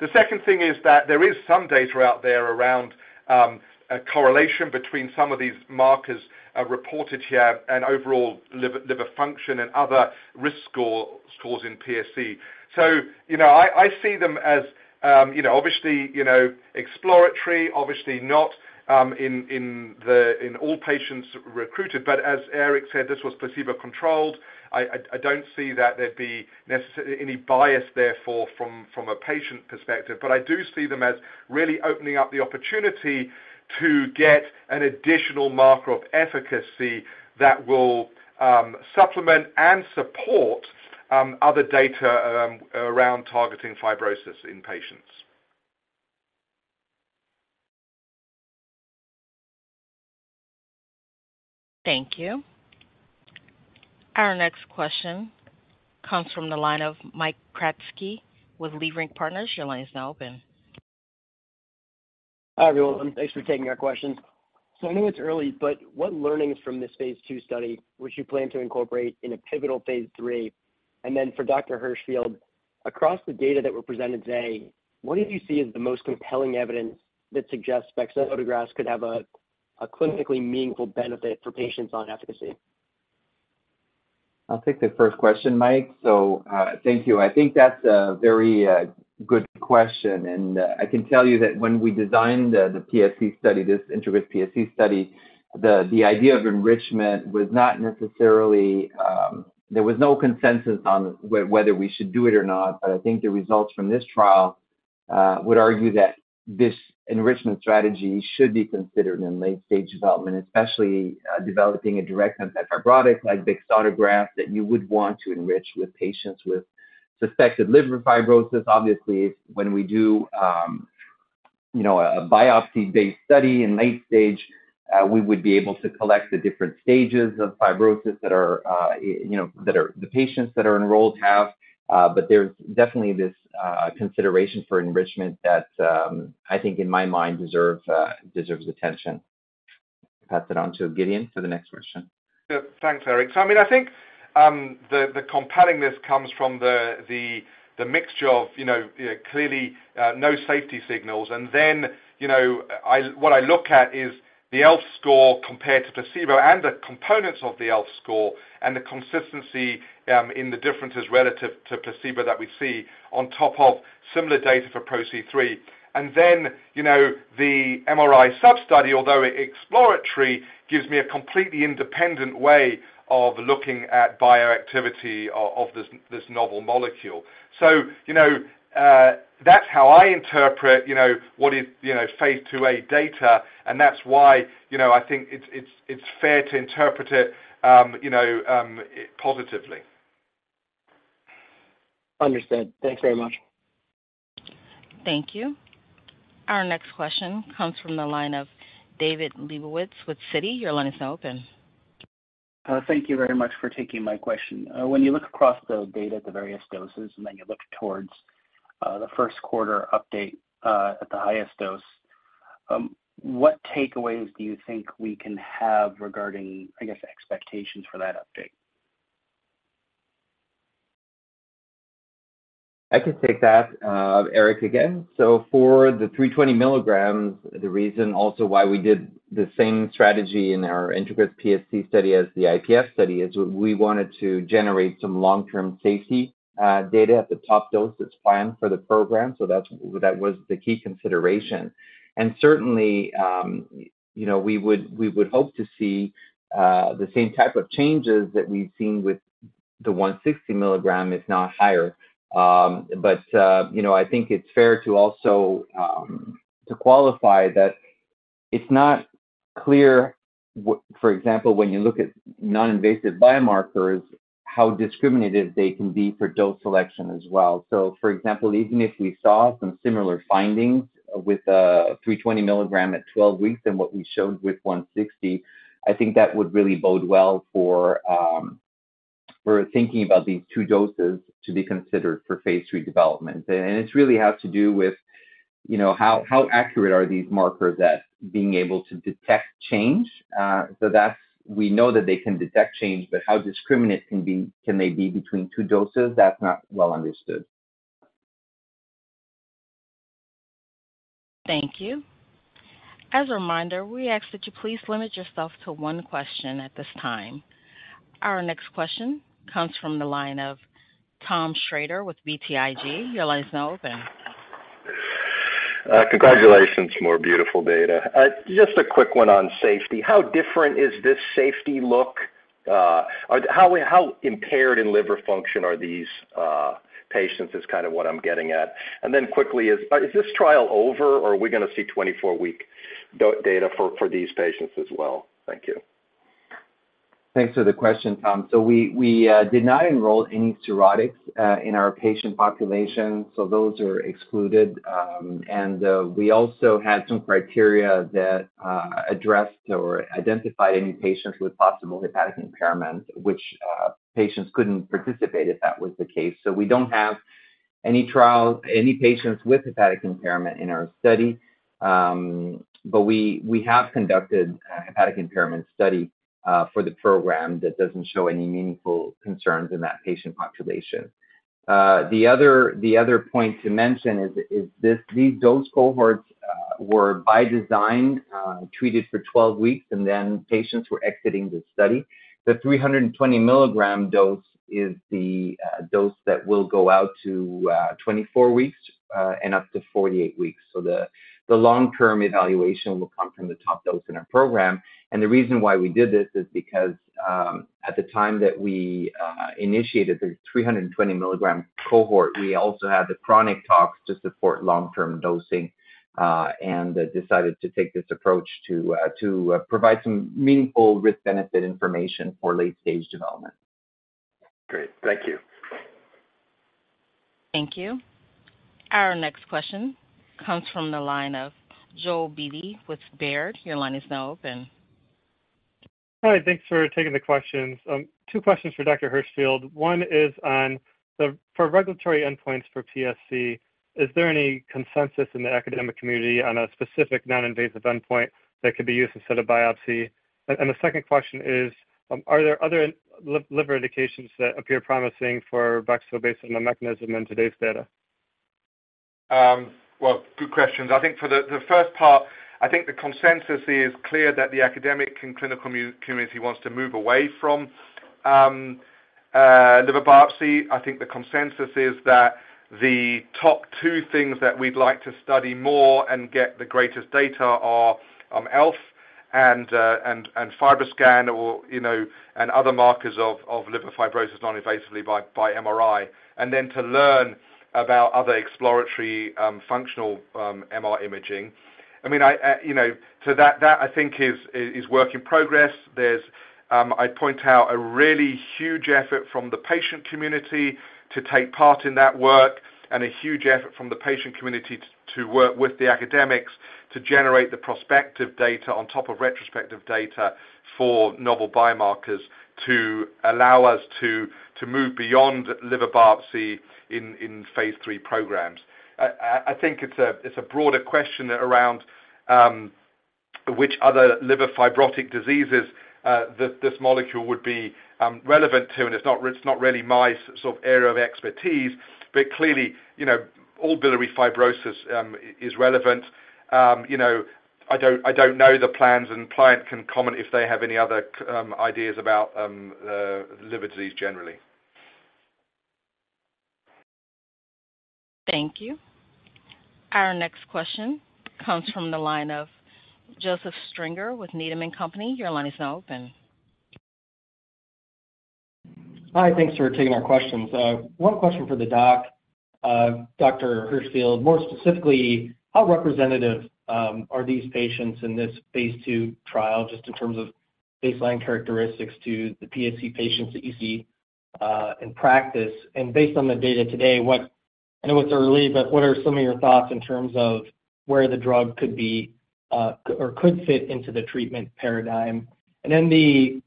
The second thing is that there is some data out there around a correlation between some of these markers reported here and overall liver function and other risk scores in PSC. So, I don't see that there'd be necessarily any bias there from a patient perspective. But I do see them as really opening up the opportunity to get an additional marker of efficacy that will supplement and support other data around targeting fibrosis in patients. Thank you. Our next question comes from the line of Michael Kratky with Leerink Partners. Your line is now open. Hi, everyone. Thanks for taking our questions. So I know it's early, but what learnings from this phase 2 study would you plan to incorporate in a pivotal phase 3? And then for Dr. Hirschfield, across the data that were presented today, what do you see as the most compelling evidence that suggests bexotegrast could have a clinically meaningful benefit for patients on efficacy? I'll take the first question, Mike. So, thank you. I think that's a very good question, and I can tell you that when we designed the PSC study, this INTEGRIS-PSC study, the idea of enrichment was not necessarily. There was no consensus on whether we should do it or not. But I think the results from this trial would argue that this enrichment strategy should be considered in late-stage development, especially developing a direct-acting antifibrotic like bexotegrast, that you would want to enrich with patients with suspected liver fibrosis. Obviously, when we do, a biopsy-based study in late stage, we would be able to collect the different stages of fibrosis that are, that are the patients that are enrolled have. But there's definitely this consideration for enrichment that I think in my mind deserves attention. Pass it on to Gideon for the next question. Thanks, Éric. So I mean, I think the compellingness comes from the mixture of, clearly no safety signals. And then, what I look at is the ELF score compared to placebo and the components of the ELF score, and the consistency in the differences relative to placebo that we see on top of similar data for PRO-C3. And then, the MRI substudy, although exploratory, gives me a completely independent way of looking at bioactivity of this novel molecule. So, that's how I interpret what is phase 2a data, and that's why, I think it's fair to interpret it, positively. Understood. Thanks very much. Thank you. Our next question comes from the line of David Lebowitz with Citi. Your line is now open. Thank you very much for taking my question. When you look across the data at the various doses, and then you look towards the Q1 update at the highest dose, what takeaways do you think we can have regarding, I guess, expectations for that update? I can take that, Eric again. So for the 320 milligrams, the reason also why we did the same strategy in our INTEGRIS-PSC study as the IPF study, is we wanted to generate some long-term safety, data at the top dose that's planned for the program. So that's, that was the key consideration. And certainly, we would, we would hope to see, the same type of changes that we've seen with the 160 milligram is not higher. But, I think it's fair to also, to qualify that it's not clear what-- for example, when you look at non-invasive biomarkers, how discriminative they can be for dose selection as well. So for example, even if we saw some similar findings with 320 milligram at 12 weeks than what we showed with 160, I think that would really bode well for for thinking about these two doses to be considered for phase 3 development. And it's really have to do with, how, how accurate are these markers at being able to detect change? So that's, we know that they can detect change, but how discriminate can be, can they be between two doses? That's not well understood. Thank you. As a reminder, we ask that you please limit yourself to one question at this time. Our next question comes from the line of Tom Shrader with BTIG. Your line is now open. Congratulations, more beautiful data. Just a quick one on safety. How different is this safety look? How impaired in liver function are these patients, is kind of what I'm getting at. And then quickly, is this trial over, or are we going to see 24-week data for these patients as well? Thank you. Thanks for the question, Tom. So we did not enroll any cirrhotics in our patient population, so those are excluded. We also had some criteria that addressed or identified any patients with possible hepatic impairment, which patients couldn't participate if that was the case. So we don't have any patients with hepatic impairment in our study. But we have conducted a hepatic impairment study for the program that doesn't show any meaningful concerns in that patient population. The other point to mention is these dose cohorts were by design treated for 12 weeks, and then patients were exiting the study. The 320 milligram dose is the dose that will go out to 24 weeks and up to 48 weeks. The long-term evaluation will come from the top dose in our program. The reason why we did this is because at the time that we initiated the 320 milligram cohort, we also had the chronic tox to support long-term dosing and decided to take this approach to provide some meaningful risk-benefit information for late-stage development. Great. Thank you. Thank you. Our next question comes from the line of Joel Beatty with Baird. Your line is now open. Hi, thanks for taking the questions. Two questions for Dr. Hirschfield. One is on the, for regulatory endpoints for PSC, is there any consensus in the academic community on a specific non-invasive endpoint that could be used instead of biopsy? And the second question is, are there other liver indications that appear promising for bexotegrast based on the mechanism in today's data? Well, good questions. I think for the first part, I think the consensus is clear that the academic and clinical community wants to move away from liver biopsy. I think the consensus is that the top two things that we'd like to study more and get the greatest data are ELF and fibroscan or, and other markers of liver fibrosis noninvasively by MRI. And then to learn about other exploratory functional MR imaging. I mean, so that I think is work in progress. There's, I'd point out a really huge effort from the patient community to take part in that work, and a huge effort from the patient community to work with the academics to generate the prospective data on top of retrospective data for novel biomarkers to allow us to move beyond liver biopsy in phase three programs. I think it's a broader question around which other liver fibrotic diseases that this molecule would be relevant to, and it's not really my sort of area of expertise. But clearly, all biliary fibrosis is relevant. I don't know the plans, and Pliant can comment if they have any other ideas about liver disease generally. Thank you. Our next question comes from the line of Joseph Stringer with Needham and Company. Your line is now open. Hi, thanks for taking our questions. One question for the doc, Dr. Hirschfield, more specifically, how representative are these patients in this phase 2 trial, just in terms of baseline characteristics to the PSC patients that you see in practice? And based on the data today, what I know it's early, but what are some of your thoughts in terms of where the drug could be or could fit into the treatment paradigm? And then the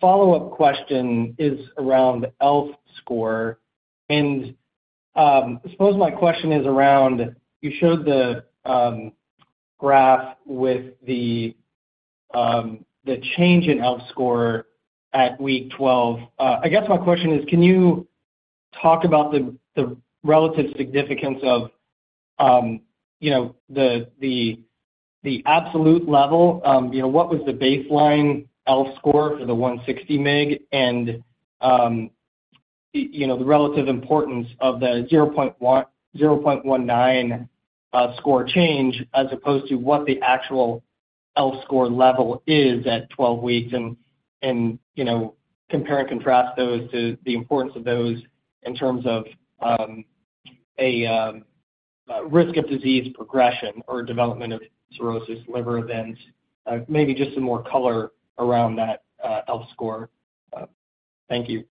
follow-up question is around the ELF score. And I suppose my question is around, you showed the graph with the change in ELF score at week 12. I guess my question is, can you talk about the relative significance of the absolute level? what was the baseline ELF score for the 160 mg, and the relative importance of the 0.1, 0.19 score change as opposed to what the actual ELF score level is at 12 weeks. And compare and contrast those to the importance of those in terms of a risk of disease progression or development of cirrhosis liver events. Maybe just some more color around that ELF score. Thank you.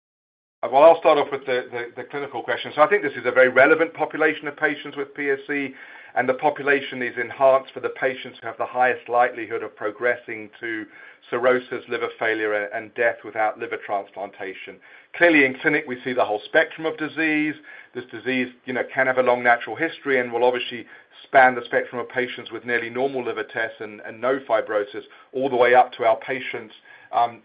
Well, I'll start off with the clinical question. So I think this is a very relevant population of patients with PSC, and the population is enhanced for the patients who have the highest likelihood of progressing to cirrhosis, liver failure, and death without liver transplantation. Clearly, in clinic, we see the whole spectrum of disease. This disease, can have a long natural history and will obviously span the spectrum of patients with nearly normal liver tests and, and no fibrosis, all the way up to our patients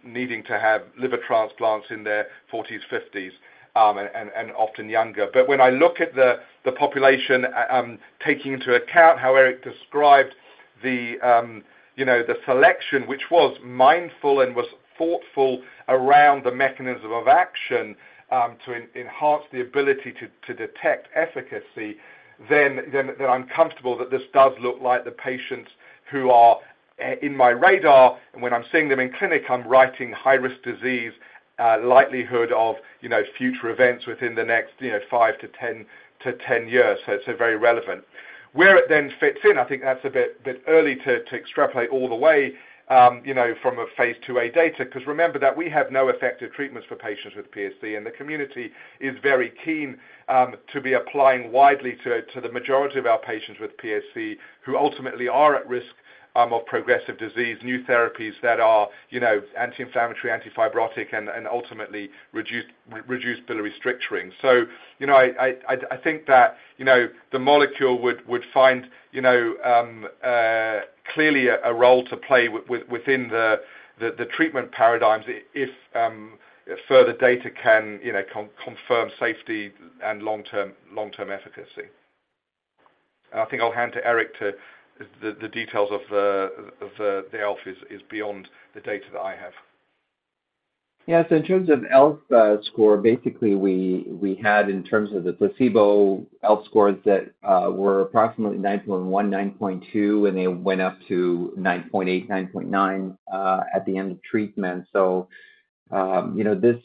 needing to have liver transplants in their 40s, 50s, and often younger. But when I look at the population, taking into account how Éric described the, the selection, which was mindful and was thoughtful around the mechanism of action, to enhance the ability to detect efficacy, then I'm comfortable that this does look like the patients who are in my radar, and when I'm seeing them in clinic, I'm writing high-risk disease, likelihood of, future events within the next, five to ten years. So it's a very relevant. Where it then fits in, I think that's a bit early to extrapolate all the way, from a Phase 2a data, 'cause remember that we have no effective treatments for patients with PSC, and the community is very keen to be applying widely to the majority of our patients with PSC, who ultimately are at risk of progressive disease, new therapies that are, anti-inflammatory, anti-fibrotic, and ultimately reduced biliary stricturing. So, I think that, the molecule would find, clearly a role to play within the treatment paradigms if further data can, confirm safety and long-term efficacy. I think I'll hand to Eric to The details of the ELF is beyond the data that I have. Yes, in terms of ELF score, basically, we had in terms of the placebo ELF scores that were approximately 9.1, 9.2, and they went up to 9.8, 9.9 at the end of treatment. So, this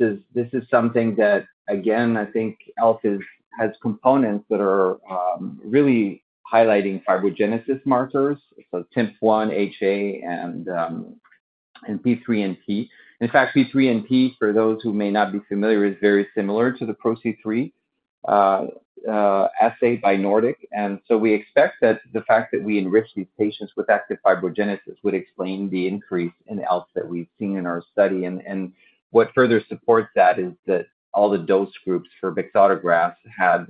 is something that, again, I think ELF has components that are really highlighting fibrogenesis markers, so TIMP-1, HA, and P3NP. In fact, P3NP, for those who may not be familiar, is very similar to the PRO-C3 assay by Nordic. And so we expect that the fact that we enrich these patients with active fibrogenesis would explain the increase in ELFs that we've seen in our study. And what further supports that is that all the dose groups for bexotegrast had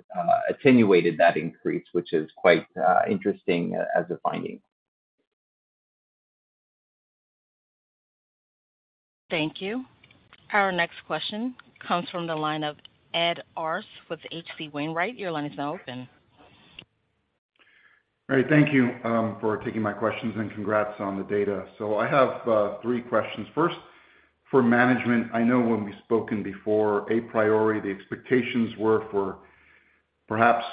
attenuated that increase, which is quite interesting as a finding. Thank you. Our next question comes from the line of Ed Arce with H.C. Wainwright. Your line is now open. All right, thank you for taking my questions and congrats on the data. So I have three questions. First, for management, I know when we've spoken before, a priority, the expectations were for perhaps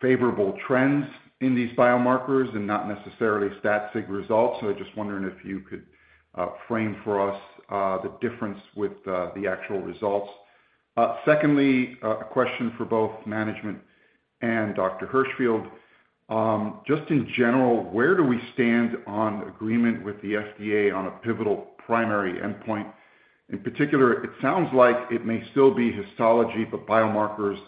favorable trends in these biomarkers and not necessarily stat sig results. So I'm just wondering if you could frame for us the difference with the actual results. Secondly, a question for both management and Dr. Hirschfield. Just in general, where do we stand on agreement with the FDA on a pivotal primary endpoint? In particular, it sounds like it may still be histology, but biomarkers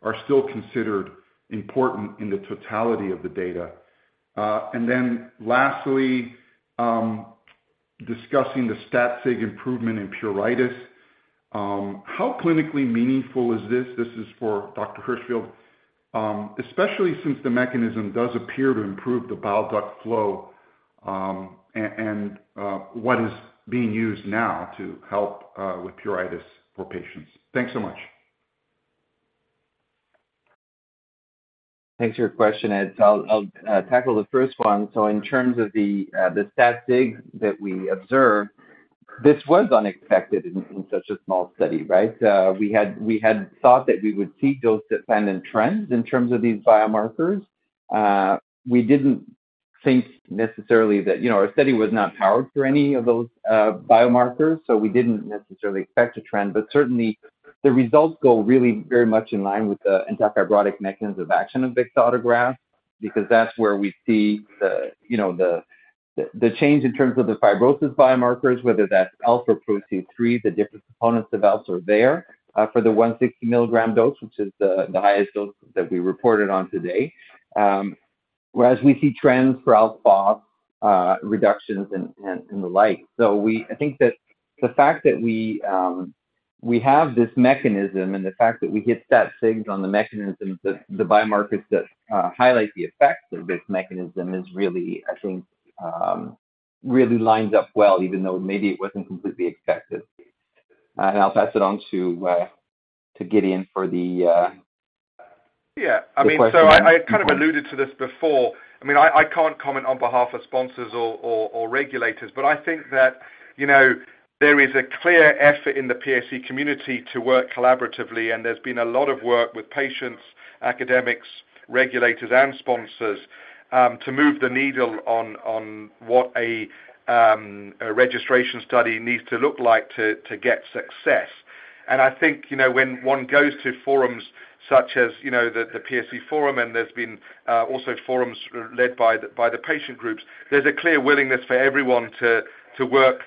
are still considered important in the totality of the data. And then lastly, discussing the stat sig improvement in pruritus, how clinically meaningful is this? This is for Dr. Hirschfield. Especially since the mechanism does appear to improve the bile duct flow, and what is being used now to help with pruritus for patients? Thanks so much. Thanks for your question, Ed. I'll tackle the first one. So in terms of the stat sig that we observed, this was unexpected in such a small study, right? We had thought that we would see dose-dependent trends in terms of these biomarkers. We didn't think necessarily that. our study was not powered for any of those biomarkers, so we didn't necessarily expect a trend. But certainly, the results go really very much in line with the antifibrotic mechanism of action of bexotegrast, because that's where we see the change in terms of the fibrosis biomarkers, whether that's ELF or PRO-C3, the different components of ELF are there for the 160 milligram dose, which is the highest dose that we reported on today. Whereas we see trends for ELF reductions and the like. So I think that the fact that we have this mechanism and the fact that we get stat sigs on the mechanisms that the biomarkers that highlight the effects of this mechanism is really, I think, really lines up well, even though maybe it wasn't completely expected. And I'll pass it on to Gideon for the So I kind of alluded to this before. I mean, I can't comment on behalf of sponsors or regulators, but I think that, there is a clear effort in the PSC community to work collaboratively, and there's been a lot of work with patients, academics, regulators, and sponsors to move the needle on what a registration study needs to look like to get success. And I think, when one goes to forums such as, the PSC forum, and there's been also forums led by the patient groups, there's a clear willingness for everyone to work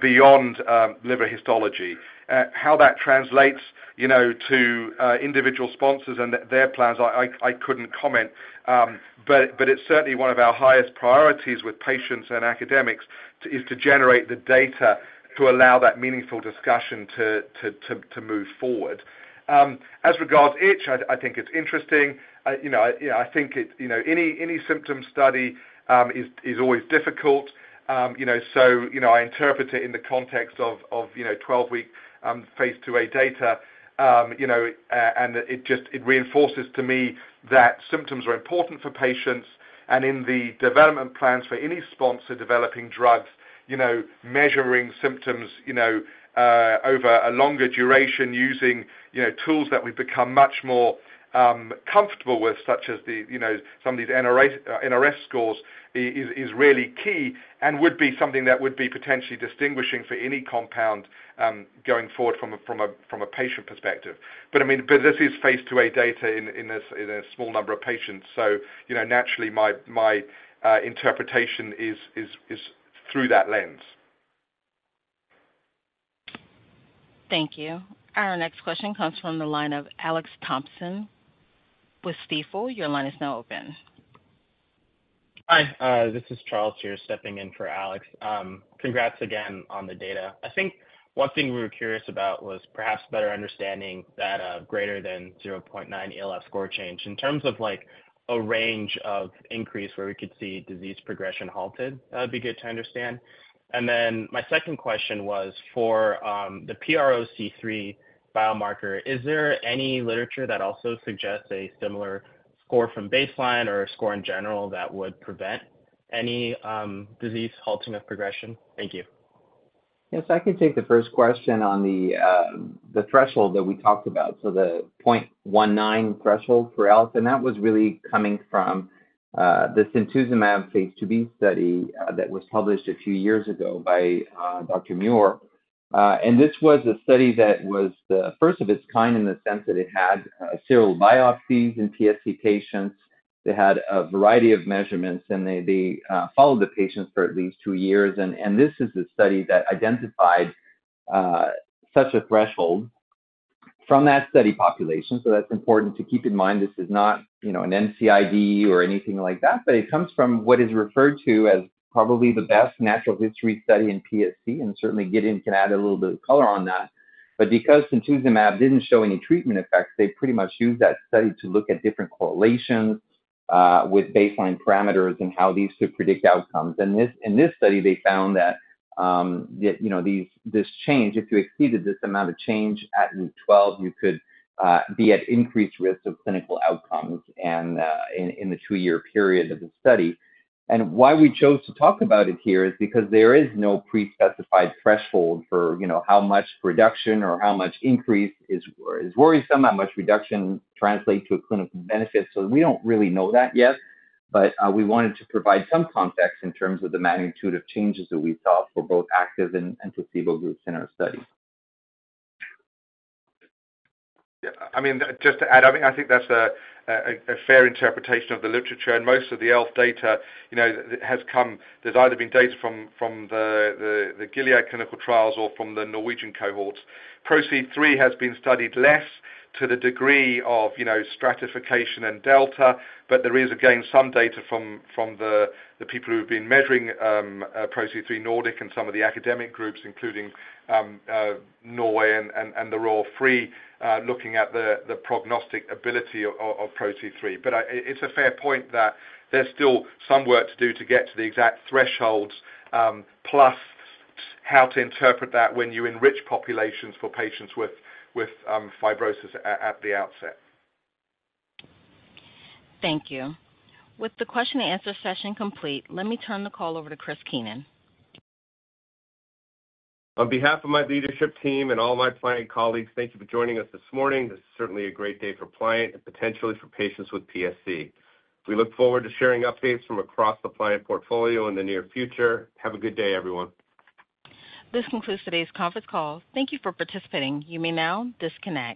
beyond liver histology. How that translates, to individual sponsors and their plans, I couldn't comment. But it's certainly one of our highest priorities with patients and academics, is to generate the data to allow that meaningful discussion to move forward. As regards itch, I think it's interesting. I think it's any symptom study is always difficult. I interpret it in the context of, 12-week, phase 2a data. and it just- it reinforces to me that symptoms are important for patients, and in the development plans for any sponsor developing drugs, measuring symptoms, over a longer duration using, tools that we've become much more comfortable with, such as the, some of these NRS scores, is, is really key and would be something that would be potentially distinguishing for any compound, going forward from a, from a, from a patient perspective. But, I mean, but this is phase 2a data in a small number of patients. So, naturally, my interpretation is through that lens. Thank you. Our next question comes from the line of Alex Thompson with Stifel. Your line is now open. Hi, this is Charles here, stepping in for Alex. Congrats again on the data. I think one thing we were curious about was perhaps better understanding that, greater than 0.9 ELF score change. In terms of, like, a range of increase where we could see disease progression halted, that would be good to understand. And then my second question was for, the PRO-C3 biomarker, is there any literature that also suggests a similar score from baseline or a score in general that would prevent any, disease halting of progression? Thank you. Yes, I can take the first question on the threshold that we talked about, so the 0.19 threshold for ELF, and that was really coming from the simtuzumab phase 2b study that was published a few years ago by Dr. Muir. And this was a study that was the first of its kind in the sense that it had serial biopsies in PSC patients. They had a variety of measurements, and they followed the patients for at least 2 years. And this is a study that identified such a threshold from that study population. So that's important to keep in mind. This is not, an MCID or anything like that, but it comes from what is referred to as probably the best natural history study in PSC, and certainly Gideon can add a little bit of color on that. But because simtuzumab didn't show any treatment effects, they pretty much used that study to look at different correlations with baseline parameters and how these could predict outcomes. And in this study, they found that, this change, if you exceeded this amount of change at week 12, you could be at increased risk of clinical outcomes and in the 2-year period of the study. And why we chose to talk about it here is because there is no pre-specified threshold for, how much reduction or how much increase is worrisome, how much reduction translate to a clinical benefit. We don't really know that yet, but we wanted to provide some context in terms of the magnitude of changes that we saw for both active and placebo groups in our study. Just to add, I think that's a fair interpretation of the literature. And most of the ELF data, has come. There's either been data from the Gilead clinical trials or from the Norwegian cohorts. PRO-C3 has been studied less to the degree of, stratification and delta, but there is, again, some data from the people who've been measuring PRO-C3 Nordic and some of the academic groups, including Norway and the Royal Free, looking at the prognostic ability of PRO-C3. But it's a fair point that there's still some work to do to get to the exact thresholds, plus how to interpret that when you enrich populations for patients with fibrosis at the outset. Thank you. With the question and answer session complete, let me turn the call over to Christopher Keenan. On behalf of my leadership team and all my Pliant colleagues, thank you for joining us this morning. This is certainly a great day for Pliant and potentially for patients with PSC. We look forward to sharing updates from across the Pliant portfolio in the near future. Have a good day, everyone. This concludes today's conference call. Thank you for participating. You may now disconnect.